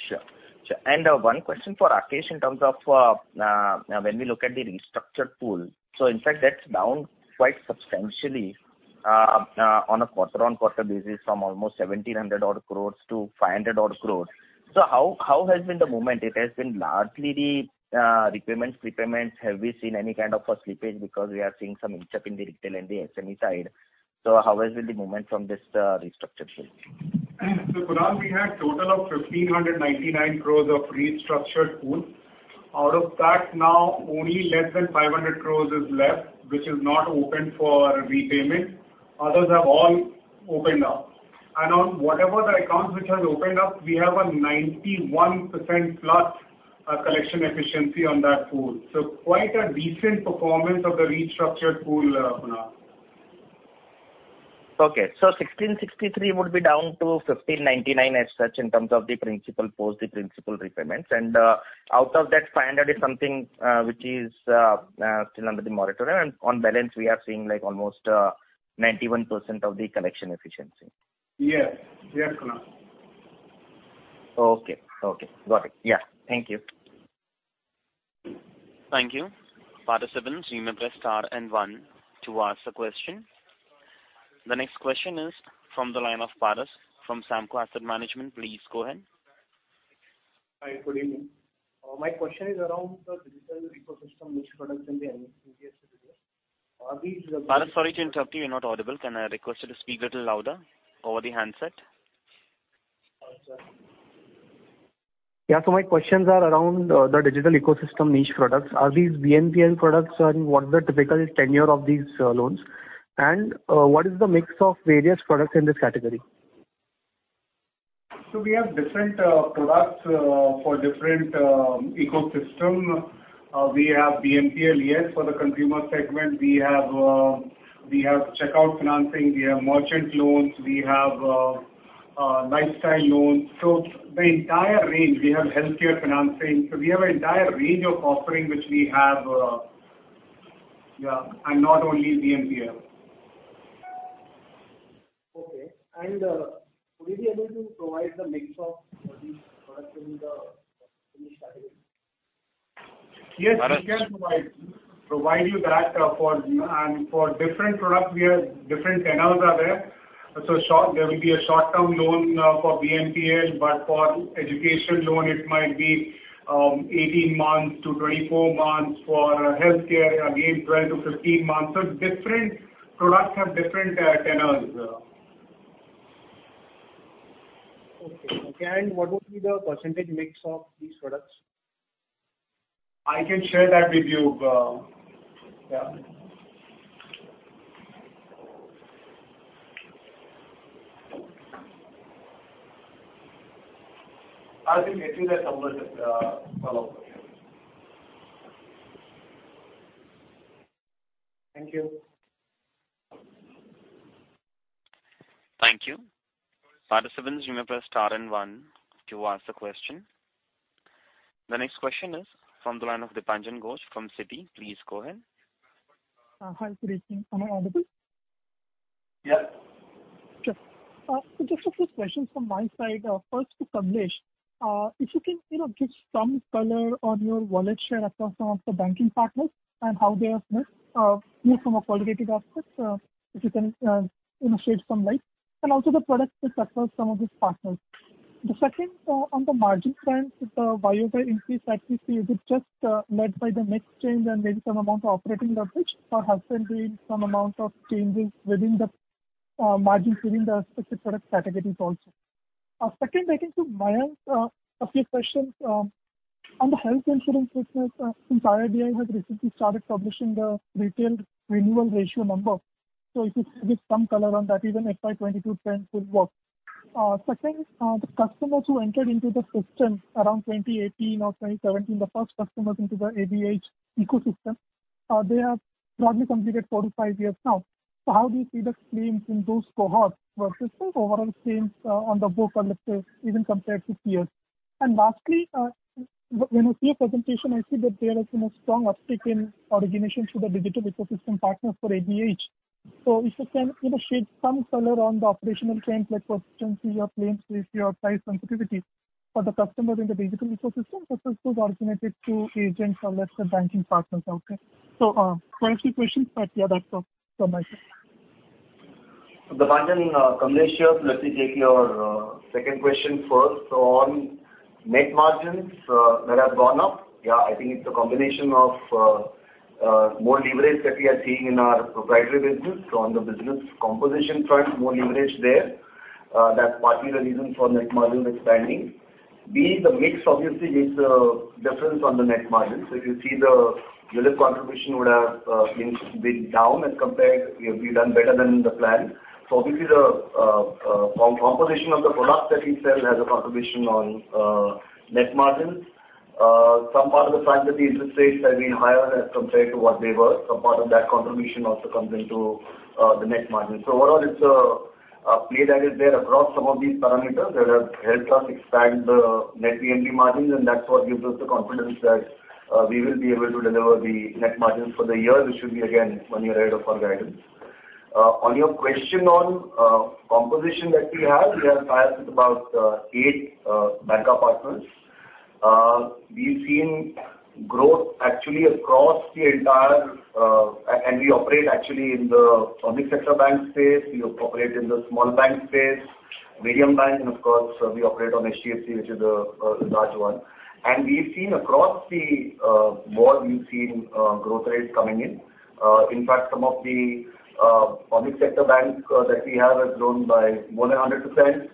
Sure. One question for Rakesh Singh in terms of when we look at the restructured pool. In fact, that's down quite substantially on a quarter-on-quarter basis from almost 1,700 odd crores-INR 500 odd crores. How has been the movement? It has been largely the repayments, prepayments. Have we seen any kind of a slippage because we are seeing some inch-up in the retail and the SME side? How has been the movement from this restructured pool? Kunal, we had total of 1,599 crores of restructured pool. Out of that, now only less than 500 crores is left, which is not open for repayment. Others have all opened up. On whatever the accounts which has opened up, we have a 91%+, collection efficiency on that pool. Quite a decent performance of the restructured pool, Kunal. Okay. 1,663 would be down to 1,599 as such in terms of the principal portion, the principal repayments. Out of that 500 is something which is still under the moratorium. On balance, we are seeing like almost 91% of the collection efficiency. Yes. Yes, Kunal. Okay. Got it. Yeah. Thank you. Thank you. Participants, you may press star and one to ask a question. The next question is from the line of Paras from Samco Asset Management. Please go ahead. Hi, good evening. My question is around the digital ecosystem niche products and the BNPL business. Are these- Paras, sorry to interrupt you. You're not audible. Can I request you to speak little louder over the handset? Sorry, sir. Yeah. My questions are around the digital ecosystem niche products. Are these BNPL products? What's the typical tenure of these loans? What is the mix of various products in this category? We have different products for different ecosystem. We have BNPL, yes, for the consumer segment. We have checkout financing. We have merchant loans. We have lifestyle loans. The entire range. We have healthcare financing. We have an entire range of offering which we have, and not only BNPL. Okay. Would you be able to provide the mix of these products in this category? Yes, we can provide you that for different products, we have different tenures there are. Short, there will be a short-term loan for BNPL, but for education loan, it might be 18-24 months. For healthcare, again, 12-15 months. Different products have different tenures. Okay, and what would be the percentage mix of these products? I can share that with you, yeah. I think getting that number should follow up with you. Thank you. Thank you. Participants, you may press star and one to ask the question. The next question is from the line of Dipanjan Ghosh from Citi. Please go ahead. Hi, good evening. Am I audible? Yeah. Sure. Just a few questions from my side. First to Kamlesh, if you can, you know, give some color on your wallet share across some of the banking partners and how they have grown, more from a qualitative aspect, if you can, you know, shed some light, and also the products across some of these partners. The second, on the margin front, the year-over-year increase that we see is it just led by the mix change and maybe some amount of operating leverage, or has there been some amount of changes within the margins within the specific product categories also? Second, I think to Mayank, a few questions, on the health insurance business. Since RBI has recently started publishing the retail renewal ratio number. If you give me some color on that, even a 5/22 trend will work. Second, the customers who entered into the system around 2018 or 2017, the first customers into the ABH ecosystem, they have broadly completed four to five years now. How do you see the claims in those cohorts versus the overall claims on the book or let's say even compared to peers? Lastly, when I see your presentation, I see that there is, you know, strong uptick in origination through the digital ecosystem partners for ABH. If you can, you know, shed some color on the operational trends like persistency or claims ratio or price sensitivity for the customers in the digital ecosystem versus those originated through agents or let's say banking partners. Okay. Quite a few questions, but yeah, that's all from my side. Dipanjan, Kamlesh here. Let me take your second question first. On net margins that have gone up. Yeah, I think it's a combination of more leverage that we are seeing in our proprietary business. On the business composition front, more leverage there. That's partly the reason for net margin expanding. B, the mix obviously makes a difference on the net margin. If you see the business contribution would have been down as compared, we have done better than the plan. Obviously the composition of the product that we sell has a contribution on net margins. Some part of the sensitivity interest rates have been higher as compared to what they were. Some part of that contribution also comes into the net margin. Overall it's a play that is there across some of these parameters that have helped us expand the net P&L margins, and that's what gives us the confidence that we will be able to deliver the net margins for the year, which should be again one year ahead of our guidance. On your question on composition that we have, we have ties with about eight banker partners. We've seen growth actually across the entire and we operate actually in the public sector bank space. We operate in the small bank space, medium bank, and of course, we operate on HDFC, which is a large one. We've seen across the board growth rates coming in. In fact, some of the public sector banks that we have grown by more than 100%.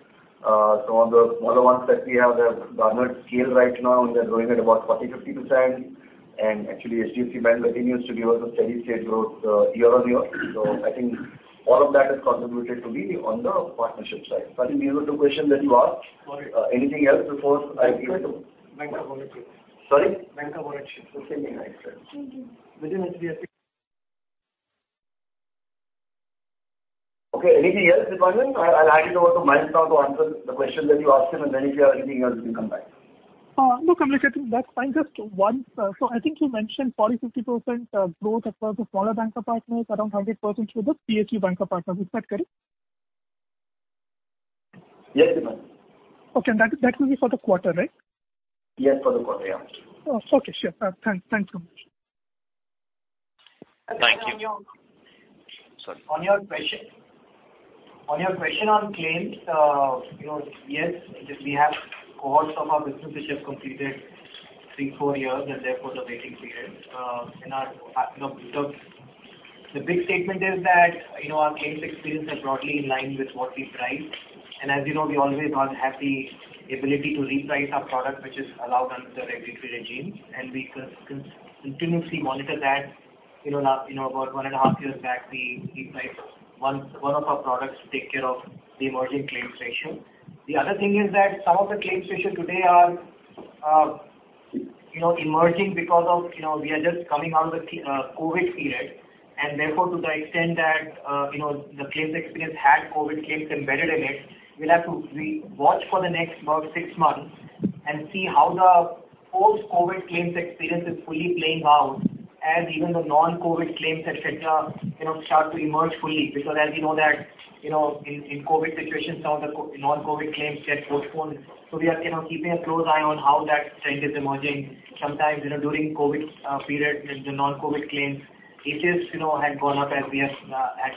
Some of the smaller ones that we have, they've garnered scale right now, and they're growing at about 40%-50%. Actually HDFC Bank continues to give us a steady state growth year-on-year. I think all of that has contributed to be on the partnership side. I think these were the two questions that you asked. Got it. Anything else before I give to- Banker partnerships. Sorry. Banker partnerships. The same thing I said. Thank you. Within HDFC. Okay. Anything else, Dipanjan? I'll hand it over to Mayank now to answer the questions that you asked him, and then if you have anything else, you can come back. No, Kamlesh. I think that's fine. Just one. I think you mentioned 40%-50% growth across the smaller banker partners, around 100% through the PSU banker partners. Is that correct? Yes, Dipanjan. Okay. That will be for the quarter, right? Yes, for the quarter. Yeah. Oh, okay. Sure. Thanks. Thanks, Kamlesh. Thank you. On your- Sorry. On your question on claims, you know, yes, we have cohorts of our business which have completed 3, 4 years, and therefore the waiting period. The big statement is that, you know, our claims experience are broadly in line with what we priced. As you know, we always have the ability to reprice our product, which is allowed under the regulatory regime, and we continuously monitor that. You know, you know, about 1.5 years back, we repriced one of our products to take care of the emerging claims ratio. The other thing is that some of the claims ratio today are, you know, emerging because of, you know, we are just coming out of the COVID period, and therefore to the extent that, you know, the claims experience had COVID claims embedded in it, we'll have to watch for the next about six months and see how the post-COVID claims experience is fully playing out and even the non-COVID claims, et cetera, you know, start to emerge fully. Because as we know that, you know, in COVID situations, some of the non-COVID claims get postponed. We are, you know, keeping a close eye on how that trend is emerging. Sometimes, you know, during COVID period, the non-COVID claims, cases, you know, had gone up as we have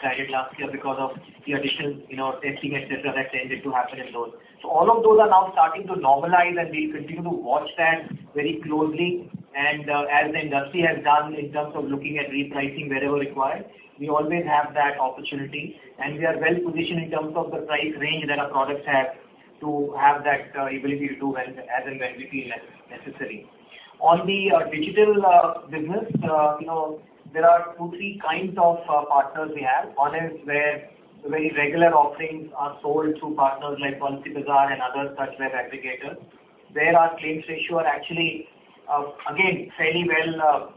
highlighted last year because of the additional, you know, testing, et cetera, that tended to happen in those. All of those are now starting to normalize, and we continue to watch that very closely. As the industry has done in terms of looking at repricing wherever required, we always have that opportunity, and we are well positioned in terms of the price range that our products have to have that ability to do well as and when we feel necessary. On the digital business, you know, there are two, three kinds of partners we have. One is where the very regular offerings are sold through partners like Policybazaar and other such web aggregators. Our claims ratio are actually, again, fairly well,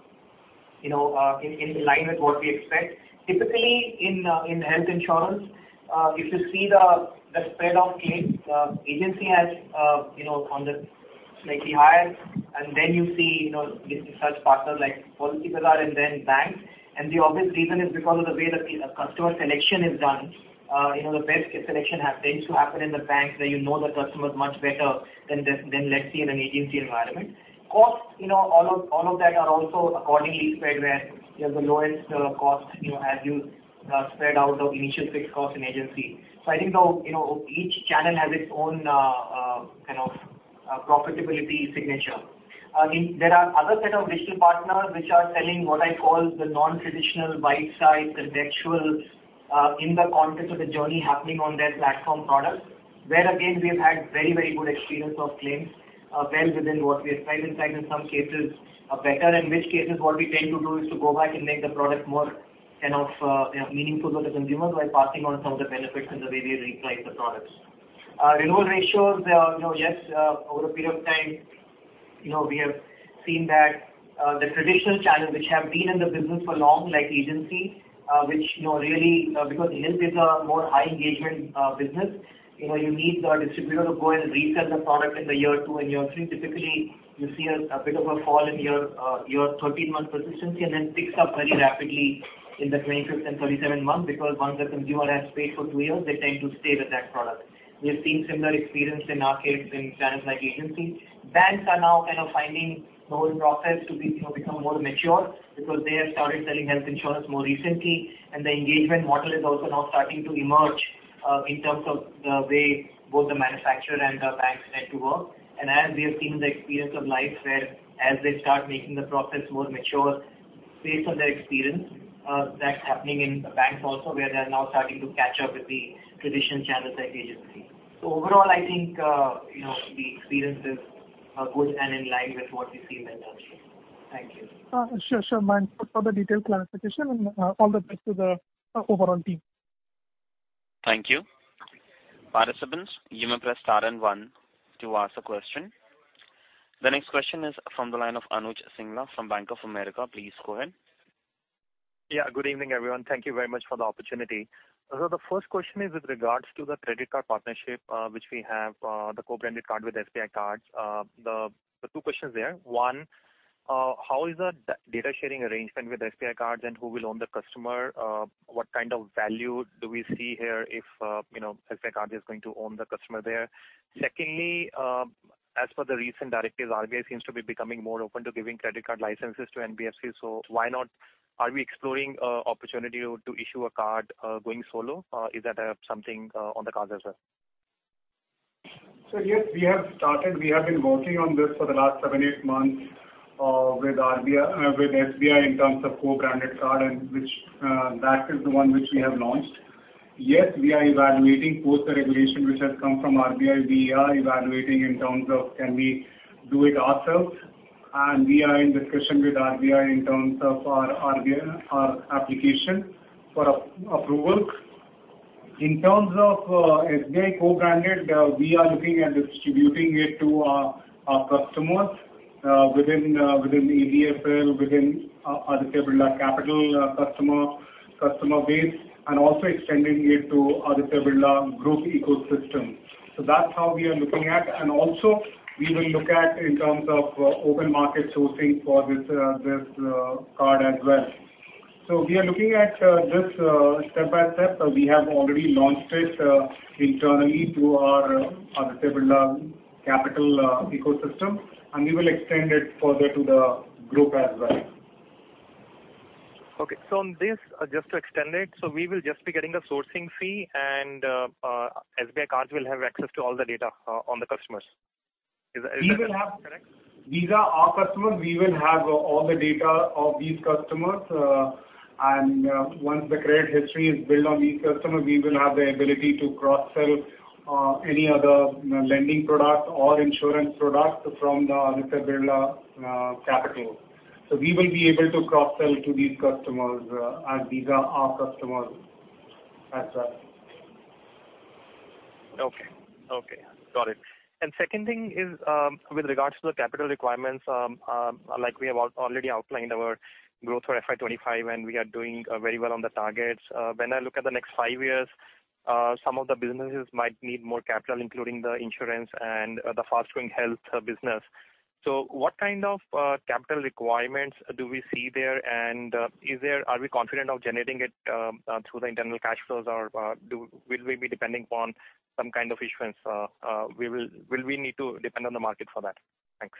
you know, in line with what we expect. Typically in health insurance, if you see the spread of claims, agency has you know on the slightly higher and then you see you know with such partners like Policybazaar and then banks. The obvious reason is because of the way they do customer selection is done. You know, the best selection tends to happen in the banks where you know the customers much better than let's say in an agency environment. Cost you know all of that are also accordingly spread where you have the lowest cost you know as you spread out the initial fixed cost in agency. I think the, you know, each channel has its own kind of profitability signature. Again, there are other set of digital partners which are selling what I call the non-traditional buy side contextual in the context of the journey happening on their platform product. Where again we have had very, very good experience of claims well within what we expect and in some cases better. In which cases what we tend to do is to go back and make the product more kind of, you know, meaningful to the consumers by passing on some of the benefits in the way we reprice the products. Our renewal ratios are, you know, yes, over a period of time, you know, we have seen that, the traditional channels which have been in the business for long like agency, which, you know, really, because health is a more high engagement, business. You know, you need the distributor to go and reset the product in year two. In year three typically you see a bit of a fall in your your 13-month persistency and then picks up very rapidly in the 25th and 37th month because once the consumer has paid for two years they tend to stay with that product. We have seen similar experience in our case in channels like agency. Banks are now kind of finding the whole process to be, you know, become more mature because they have started selling health insurance more recently and the engagement model is also now starting to emerge, in terms of the way both the manufacturer and the banks tend to work. As we have seen the experience of life whereas they start making the process more mature based on their experience, that's happening in the banks also where they are now starting to catch up with the traditional channels like agency. Overall I think, you know, the experience is good and in line with what we see in the industry. Thank you. Sure, Mayank. Thanks for the detailed clarification and all the best to the overall team. Thank you. Participants, you may press star and one to ask a question. The next question is from the line of Anuj Singla from Bank of America. Please go ahead. Yeah, good evening, everyone. Thank you very much for the opportunity. The first question is with regards to the credit card partnership, which we have, the co-branded card with SBI Cards. The two questions there. One, how is the data sharing arrangement with SBI Cards and who will own the customer? What kind of value do we see here if, you know, SBI Card is going to own the customer there? Secondly, as per the recent directives, RBI seems to be becoming more open to giving credit card licenses to NBFC. Why not? Are we exploring opportunity to issue a card going solo? Is that something on the cards as well? Yes, we have started. We have been working on this for the last seven to eight months with RBI with SBI in terms of co-branded card and which that is the one which we have launched. Yes, we are evaluating post the regulation which has come from RBI. We are evaluating in terms of can we do it ourselves and we are in discussion with RBI in terms of our application for approval. In terms of SBI co-branded, we are looking at distributing it to our customers within the ABFL within Aditya Birla Capital customer base and also extending it to Aditya Birla Group ecosystem. That's how we are looking at and also we will look at in terms of open market sourcing for this card as well. We are looking at this step-by-step. We have already launched it internally to our Aditya Birla Capital ecosystem and we will extend it further to the group as well. Okay. On this just to extend it, we will just be getting the sourcing fee and SBI Cards will have access to all the data on the customers. Is that correct? These are our customers. We will have all the data of these customers. Once the credit history is built on these customers, we will have the ability to cross-sell any other, you know, lending product or insurance product from Aditya Birla Capital. We will be able to cross-sell to these customers, as these are our customers as well. Okay. Got it. Second thing is, with regards to the capital requirements, like we have already outlined our growth for FY 25 and we are doing very well on the targets. When I look at the next five years, some of the businesses might need more capital including the insurance and the fast-growing health business. What kind of capital requirements do we see there and are we confident of generating it through the internal cash flows or will we be depending upon some kind of issuance? Will we need to depend on the market for that? Thanks.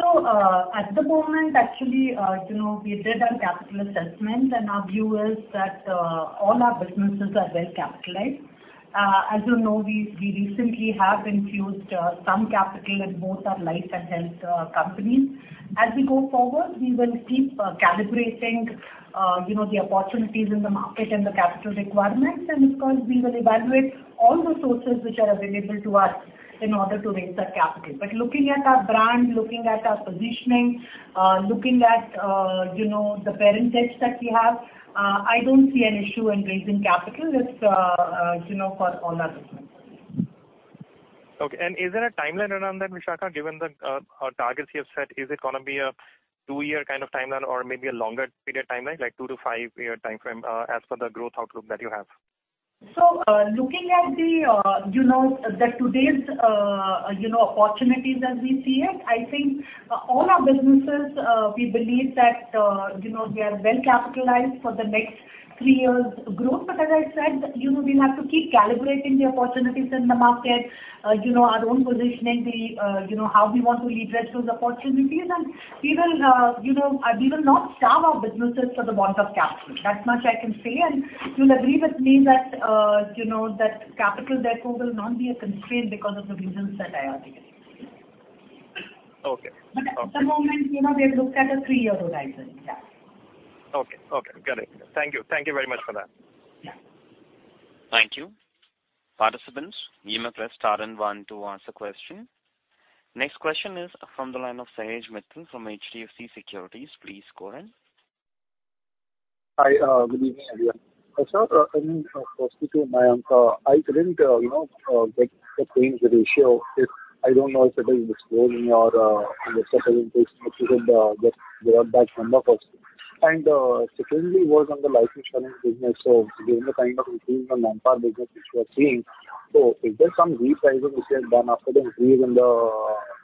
At the moment actually, you know, we did our capital assessment and our view is that all our businesses are well capitalized. As you know we recently have infused some capital in both our life and health companies. As we go forward, we will keep calibrating you know the opportunities in the market and the capital requirements. Of course, we will evaluate all the sources which are available to us in order to raise that capital. Looking at our brand, looking at our positioning, looking at you know the parentage that we have, I don't see an issue in raising capital. It's you know for all our businesses. Okay. Is there a timeline around that, Vishakha, given the targets you have set? Is it gonna be a 2-year kind of timeline or maybe a longer period timeline, like two to five year timeframe, as per the growth outlook that you have? Looking at today's opportunities as we see it, I think all our businesses, we believe that, you know, we are well-capitalized for the next three years' growth. As I said, you know, we'll have to keep calibrating the opportunities in the market, you know, our own positioning, the, you know, how we want to leverage those opportunities. We will, you know, we will not starve our businesses for the want of capital. That much I can say. You'll agree with me that, you know, that capital therefore will not be a constraint because of the reasons that I articulated. Okay. At the moment, you know, we have looked at a three-year horizon. Yeah. Okay. Got it. Thank you very much for that. Yeah. Thank you. Participants, you may press star and one to ask a question. Next question is from the line of Sahej Mittal from HDFC Securities. Please go ahead. Hi, good evening, everyone. Sir, I couldn't, you know, get the claims ratio. If I don't know if it is excluding or the settlement rates which you could derive that from the first. Secondly was on the life insurance business. Given the kind of increase in non-par business which we are seeing, is there some repricing which you have done after the increase in the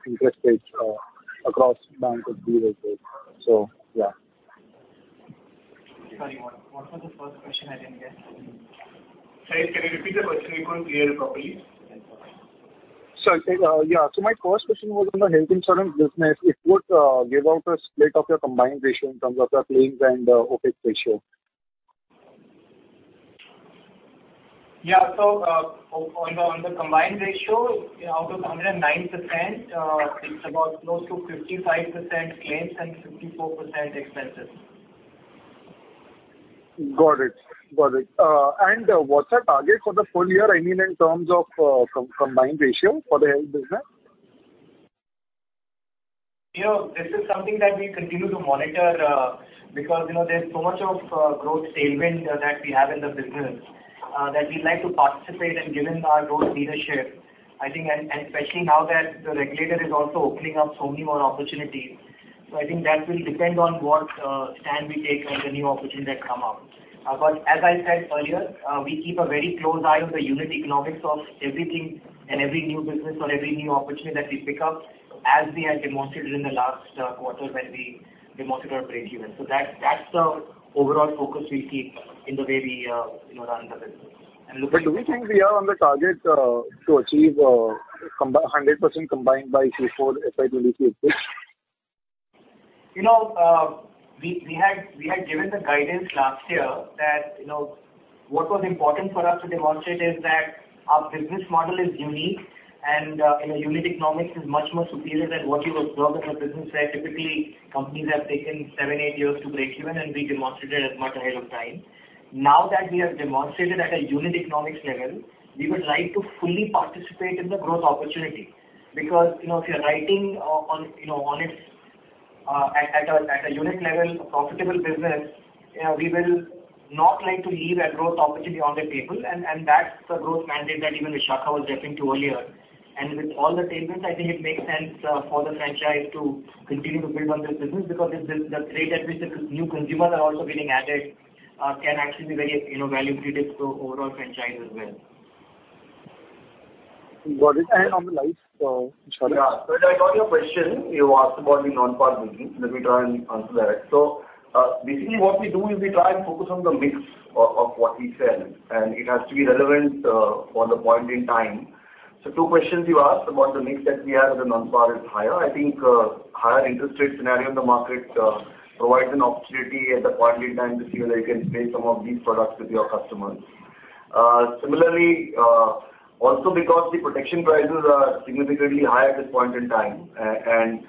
interest rates across bank fixed deposits? Yeah. Sorry. What was the first question? I didn't get. Sahej, can you repeat the question? It wasn't clear properly. My first question was on the health insurance business. If you could give out a split of your combined ratio in terms of your claims and OPEX ratio. On the combined ratio, out of 109%, it's about close to 55% claims and 54% expenses. Got it. What's your target for the full year? I mean, in terms of combined ratio for the health business. You know, this is something that we continue to monitor, because, you know, there's so much of growth tailwind that we have in the business that we like to participate, and given our growth leadership, I think and especially now that the regulator is also opening up so many more opportunities. I think that will depend on what stand we take on the new opportunities that come up. As I said earlier, we keep a very close eye on the unit economics of everything and every new business or every new opportunity that we pick up as we had demonstrated in the last quarter when we demonstrated our breakeven. That's the overall focus we keep in the way we, you know, run the business. Looking- Do we think we are on the target to achieve 100% combined by Q4 FY 2023 at this? You know, we had given the guidance last year that, you know, what was important for us to demonstrate is that our business model is unique and, you know, unit economics is much, much superior than what you would observe in a business where typically companies have taken seven, eight years to breakeven, and we demonstrated as much ahead of time. Now that we have demonstrated at a unit economics level, we would like to fully participate in the growth opportunity because, you know, if you're riding on it, you know, it's at a unit level a profitable business, you know, we will not like to leave that growth opportunity on the table and that's the growth mandate that even Vishakha was referring to earlier. With all the tailwinds, I think it makes sense for the franchise to continue to build on this business because the rate at which the new consumers are also getting added can actually be very, you know, value accretive to overall franchise as well. Got it. On the life insurance. Yeah. Sahej, I got your question. You asked about the non-par business. Let me try and answer that. Basically what we do is we try and focus on the mix of what we sell, and it has to be relevant for the point in time. Two questions you asked about the mix that we have with the non-par is higher. I think higher interest rate scenario in the market provides an opportunity at that point in time to see whether you can place some of these products with your customers. Similarly, also because the protection prices are significantly higher at this point in time and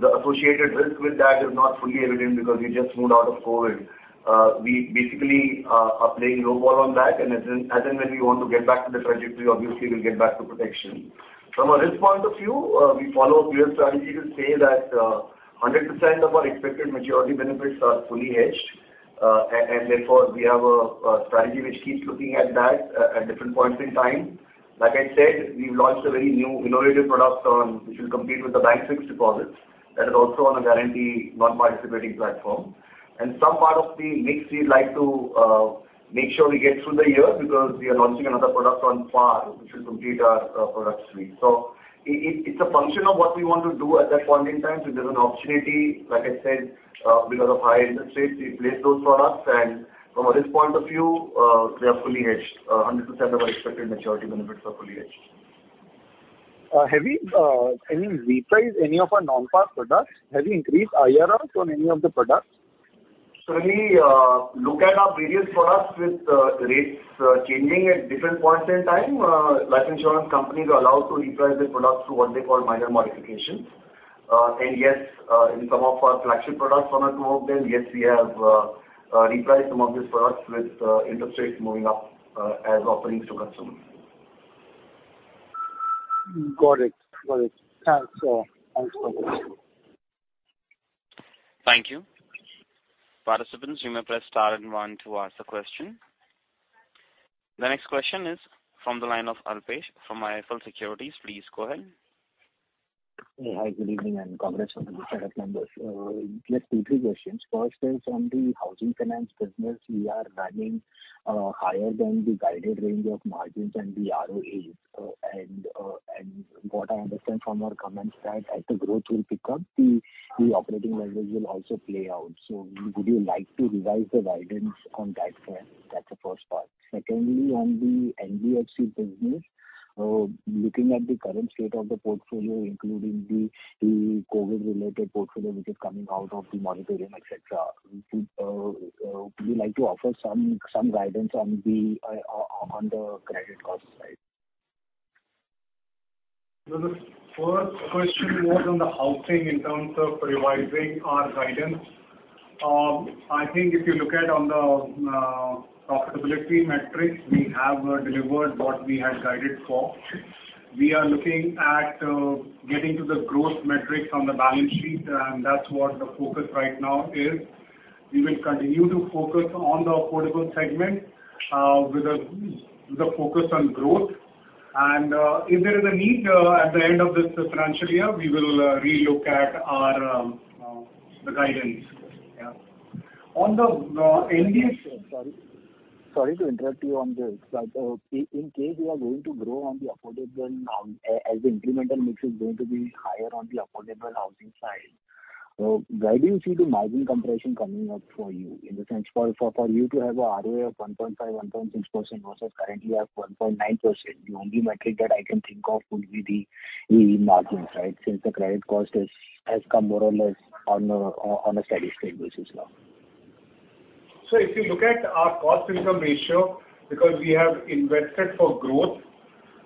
the associated risk with that is not fully evident because we just moved out of COVID. We basically are playing low ball on that and as and when we want to get back to the trajectory obviously we'll get back to protection. From a risk point of view, we follow a clear strategy to say that 100% of our expected maturity benefits are fully hedged. Therefore, we have a strategy which keeps looking at that at different points in time. Like I said, we've launched a very new innovative product which will compete with the bank fixed deposits that is also on a guarantee non-participating platform. Some part of the mix we'd like to make sure we get through the year because we are launching another product on par which will complete our product suite. It's a function of what we want to do at that point in time. If there's an opportunity, like I said, because of high interest rates, we place those products. From a risk point of view, they are fully hedged. 100% of our expected maturity benefits are fully hedged. Have we, I mean, repriced any of our non-par products? Have we increased IRRs on any of the products? We look at our various products with rates changing at different points in time. Life insurance companies are allowed to reprice their products through what they call minor modifications. Yes, in some of our flagship products, one or two of them, yes, we have repriced some of these products with interest rates moving up as offerings to customers. Got it. Thanks a lot. Thanks for that. Thank you. Participants, you may press star and one to ask the question. The next question is from the line of Alpesh from IIFL Securities. Please go ahead. Hi, good evening, and congrats on the set of numbers. Just two, three questions. First is on the housing finance business. We are running higher than the guided range of margins and the ROEs. What I understand from your comments that as the growth will pick up, the operating leverage will also play out. Would you like to revise the guidance on that front? That's the first part. Secondly, on the NBFC business, looking at the current state of the portfolio, including the COVID-related portfolio, which is coming out of the moratorium, et cetera, would you like to offer some guidance on the credit cost side? The first question was on the housing in terms of revising our guidance. I think if you look at the profitability metrics, we have delivered what we had guided for. We are looking at getting to the growth metrics on the balance sheet, and that's what the focus right now is. We will continue to focus on the affordable segment with a focus on growth. If there is a need at the end of this financial year, we will relook at our guidance. Yeah. On the NB- Sorry to interrupt you on this. In case you are going to grow on the affordable housing side, as the incremental mix is going to be higher on the affordable housing side, where do you see the margin compression coming up for you? In the sense, for you to have a ROA of 1.5%-1.6% versus currently you have 1.9%, the only metric that I can think of would be the margins, right? Since the credit cost has come more or less on a steady-state basis now. If you look at our cost-income ratio because we have invested for growth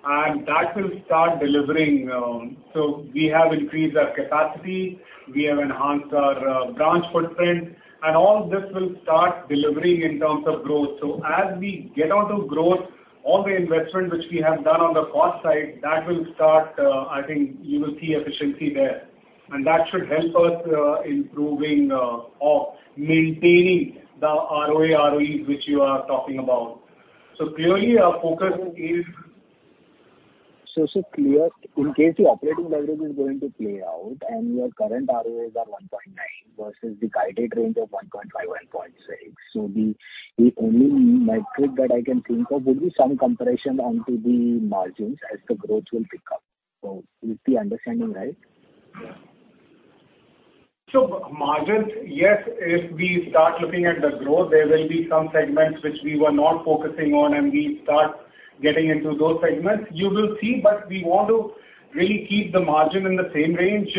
and that will start delivering. We have increased our capacity, we have enhanced our branch footprint, and all of this will start delivering in terms of growth. As we get on to growth, all the investment which we have done on the cost side, that will start. I think you will see efficiency there. That should help us improving or maintaining the ROA, ROEs which you are talking about. Clearly our focus is. Clear. In case the operating leverage is going to play out and your current ROAs are 1.9 versus the guided range of 1.5-1.6. The only metric that I can think of would be some compression onto the margins as the growth will pick up. Is the understanding right? Margins, yes, if we start looking at the growth, there will be some segments which we were not focusing on and we start getting into those segments. You will see, but we want to really keep the margin in the same range.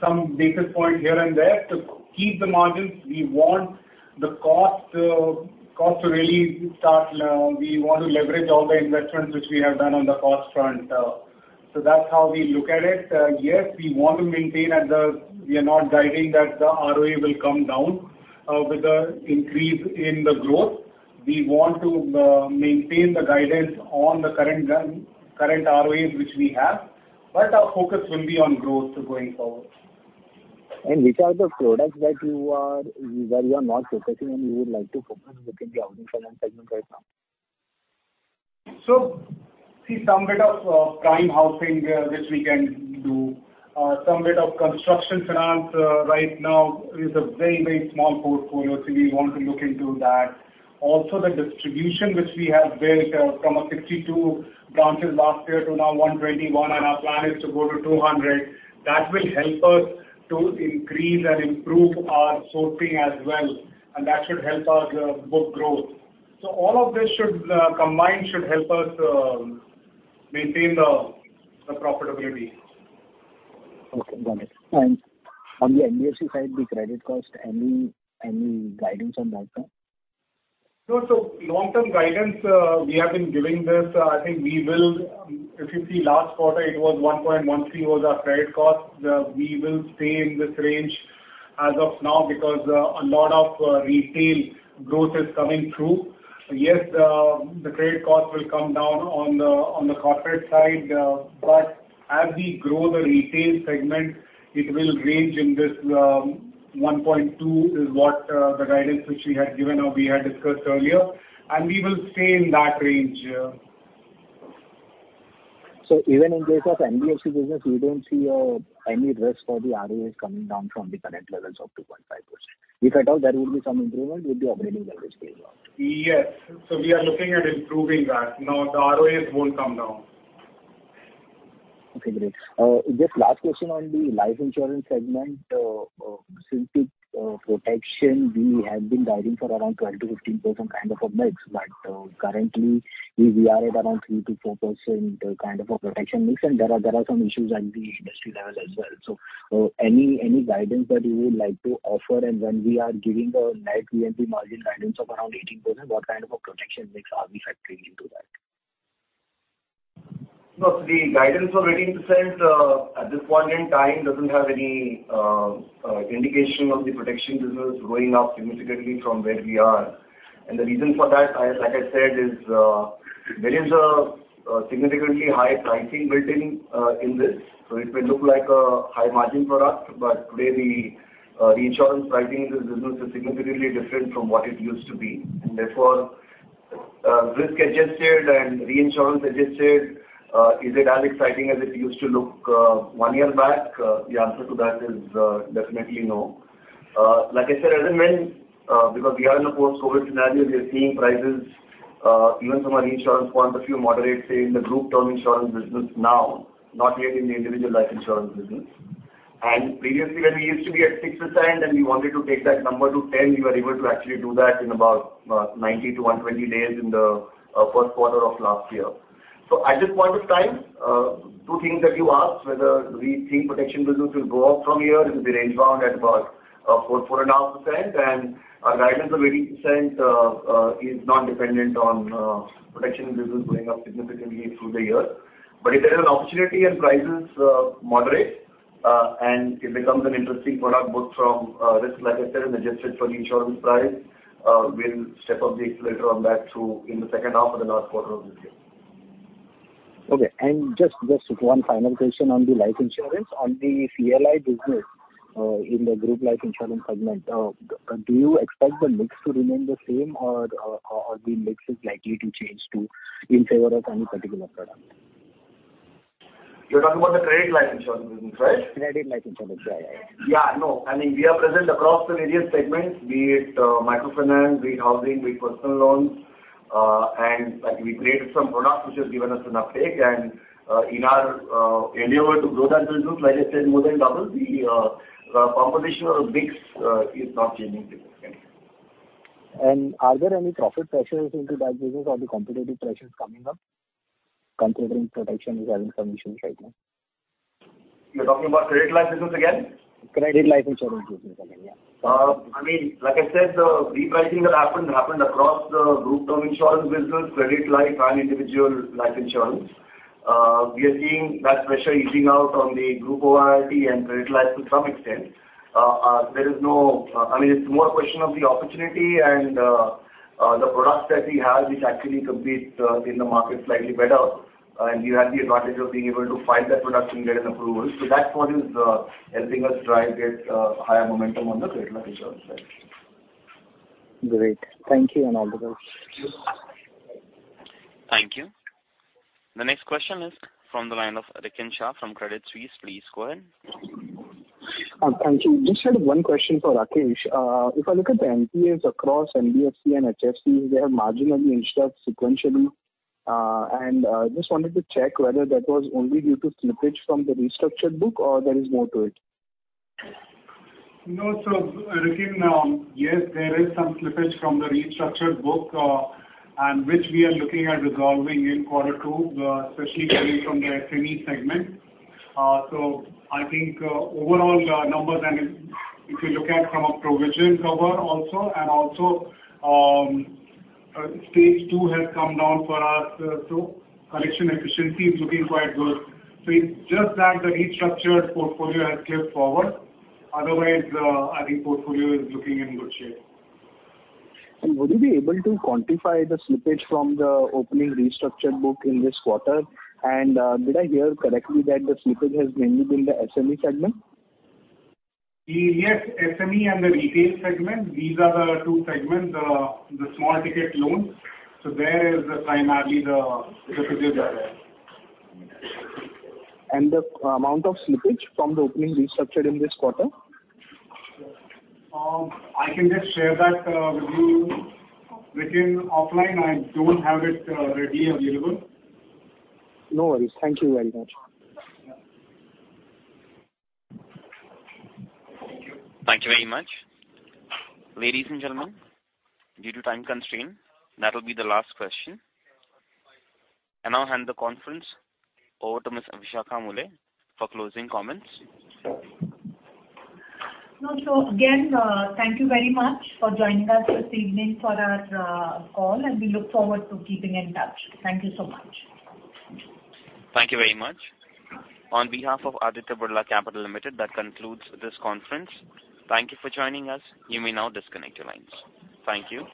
Some basis points here and there to keep the margins. We want to leverage all the investments which we have done on the cost front. That's how we look at it. Yes, we are not guiding that the ROE will come down with the increase in the growth. We want to maintain the guidance on the current ROAs which we have. Our focus will be on growth going forward. Which are the products that you are not focusing and you would like to focus within the housing finance segment right now? We see some bit of prime housing, which we can do. Some bit of construction finance right now is a very, very small portfolio, so we want to look into that. Also, the distribution which we have built from 62 branches last year to now 121 and our plan is to go to 200. That will help us to increase and improve our sourcing as well and that should help our book growth. All of this should combine to help us maintain the profitability. Okay, got it. On the NBFC side, the credit cost, any guidance on that front? No. Long-term guidance, we have been giving this. I think we will. If you see last quarter, it was 1.13%, our credit cost. We will stay in this range as of now because a lot of retail growth is coming through. Yes, the credit cost will come down on the corporate side. As we grow the retail segment, it will range in this 1.2% is what the guidance which we had given or we had discussed earlier and we will stay in that range. Even in case of NBFC business you don't see any risk for the ROAs coming down from the current levels of 2.5%? If at all there will be some improvement with the operating leverage playing out. Yes. We are looking at improving that. No, the ROAs won't come down. Okay, great. Just last question on the life insurance segment. Since the protection we have been guiding for around 12%-15% kind of a mix. Currently we are at around 3%-4% kind of a protection mix. There are some issues at the industry level as well. Any guidance that you would like to offer? When we are giving a net VNB margin guidance of around 18%, what kind of a protection mix are we factoring into that? No, the guidance of 18% at this point in time doesn't have any indication of the protection business going up significantly from where we are. The reason for that, like I said, is there is a significantly high pricing built in in this. It may look like a high margin product, but really, the insurance pricing in this business is significantly different from what it used to be. Therefore, risk adjusted and reinsurance adjusted, is it as exciting as it used to look one year back? The answer to that is definitely no. Like I said, as and when, because we are in a post-COVID scenario, we are seeing prices even from an insurance point of view moderate, say in the group term insurance business now, not yet in the individual life insurance business. Previously where we used to be at 6% and we wanted to take that number to 10%, we were able to actually do that in about 90-120 days in the first quarter of last year. At this point of time, two things that you asked whether we think protection business will go up from here, it will be range bound at about 4-4.5% and our guidance of 80% is not dependent on protection business going up significantly through the year. If there is an opportunity and prices moderate, and it becomes an interesting product both from risk like I said, adjusted for the insurance price, we'll step up the accelerator on that through in the second half or the last quarter of this year. Okay. Just one final question on the life insurance. On the CLI business, in the group life insurance segment, do you expect the mix to remain the same or the mix is likely to change too in favor of any particular product? You're talking about the credit life insurance business, right? Credit life insurance. Yeah, yeah. Yeah, no. I mean, we are present across the various segments, be it microfinance, be it housing, be it personal loans. Like we created some products which has given us an uptake. In our endeavor to grow that business, like I said, more than double the composition or mix is not changing significantly. Are there any profit pressures into that business or the competitive pressures coming up considering protection is having some issues right now? You're talking about credit life business again? Credit life insurance business again, yeah. I mean, like I said, the repricing that happened across the group term insurance business, credit life and individual life insurance. We are seeing that pressure easing out on the group GTI and credit life to some extent. I mean, it's more a question of the opportunity and the products that we have which actually compete in the market slightly better. You have the advantage of being able to file that product and get an approval. That part is helping us drive, get higher momentum on the credit life insurance side. Great. Thank you and all the best. Thank you. The next question is from the line of Rikin Shah from Credit Suisse. Please go ahead. Thank you. Just had one question for Rakesh. If I look at the NPAs across NBFC and HFC, they have marginally increased up sequentially. Just wanted to check whether that was only due to slippage from the restructured book or there is more to it? No. Rikin, yes, there is some slippage from the restructured book, and which we are looking at resolving in quarter two, especially coming from the SME segment. I think overall the numbers and if you look at from a provision cover also and also, stage two has come down for us. Collection efficiency is looking quite good. It's just that the restructured portfolio has slipped forward. Otherwise, I think portfolio is looking in good shape. Would you be able to quantify the slippage from the opening restructured book in this quarter? Did I hear correctly that the slippage has mainly been the SME segment? Yes, SME and the retail segment, these are the two segments, the small ticket loans. There is primarily the slippage that I have. The amount of slippage from the opening restructured in this quarter? I can just share that with you Rikin offline. I don't have it readily available. No worries. Thank you very much. Yeah. Thank you. Thank you very much. Ladies and gentlemen, due to time constraint, that'll be the last question. I now hand the conference over to Ms. Vishakha Mulye for closing comments. No. Again, thank you very much for joining us this evening for our call and we look forward to keeping in touch. Thank you so much. Thank you very much. On behalf of Aditya Birla Capital Limited, that concludes this conference. Thank you for joining us. You may now disconnect your lines. Thank you.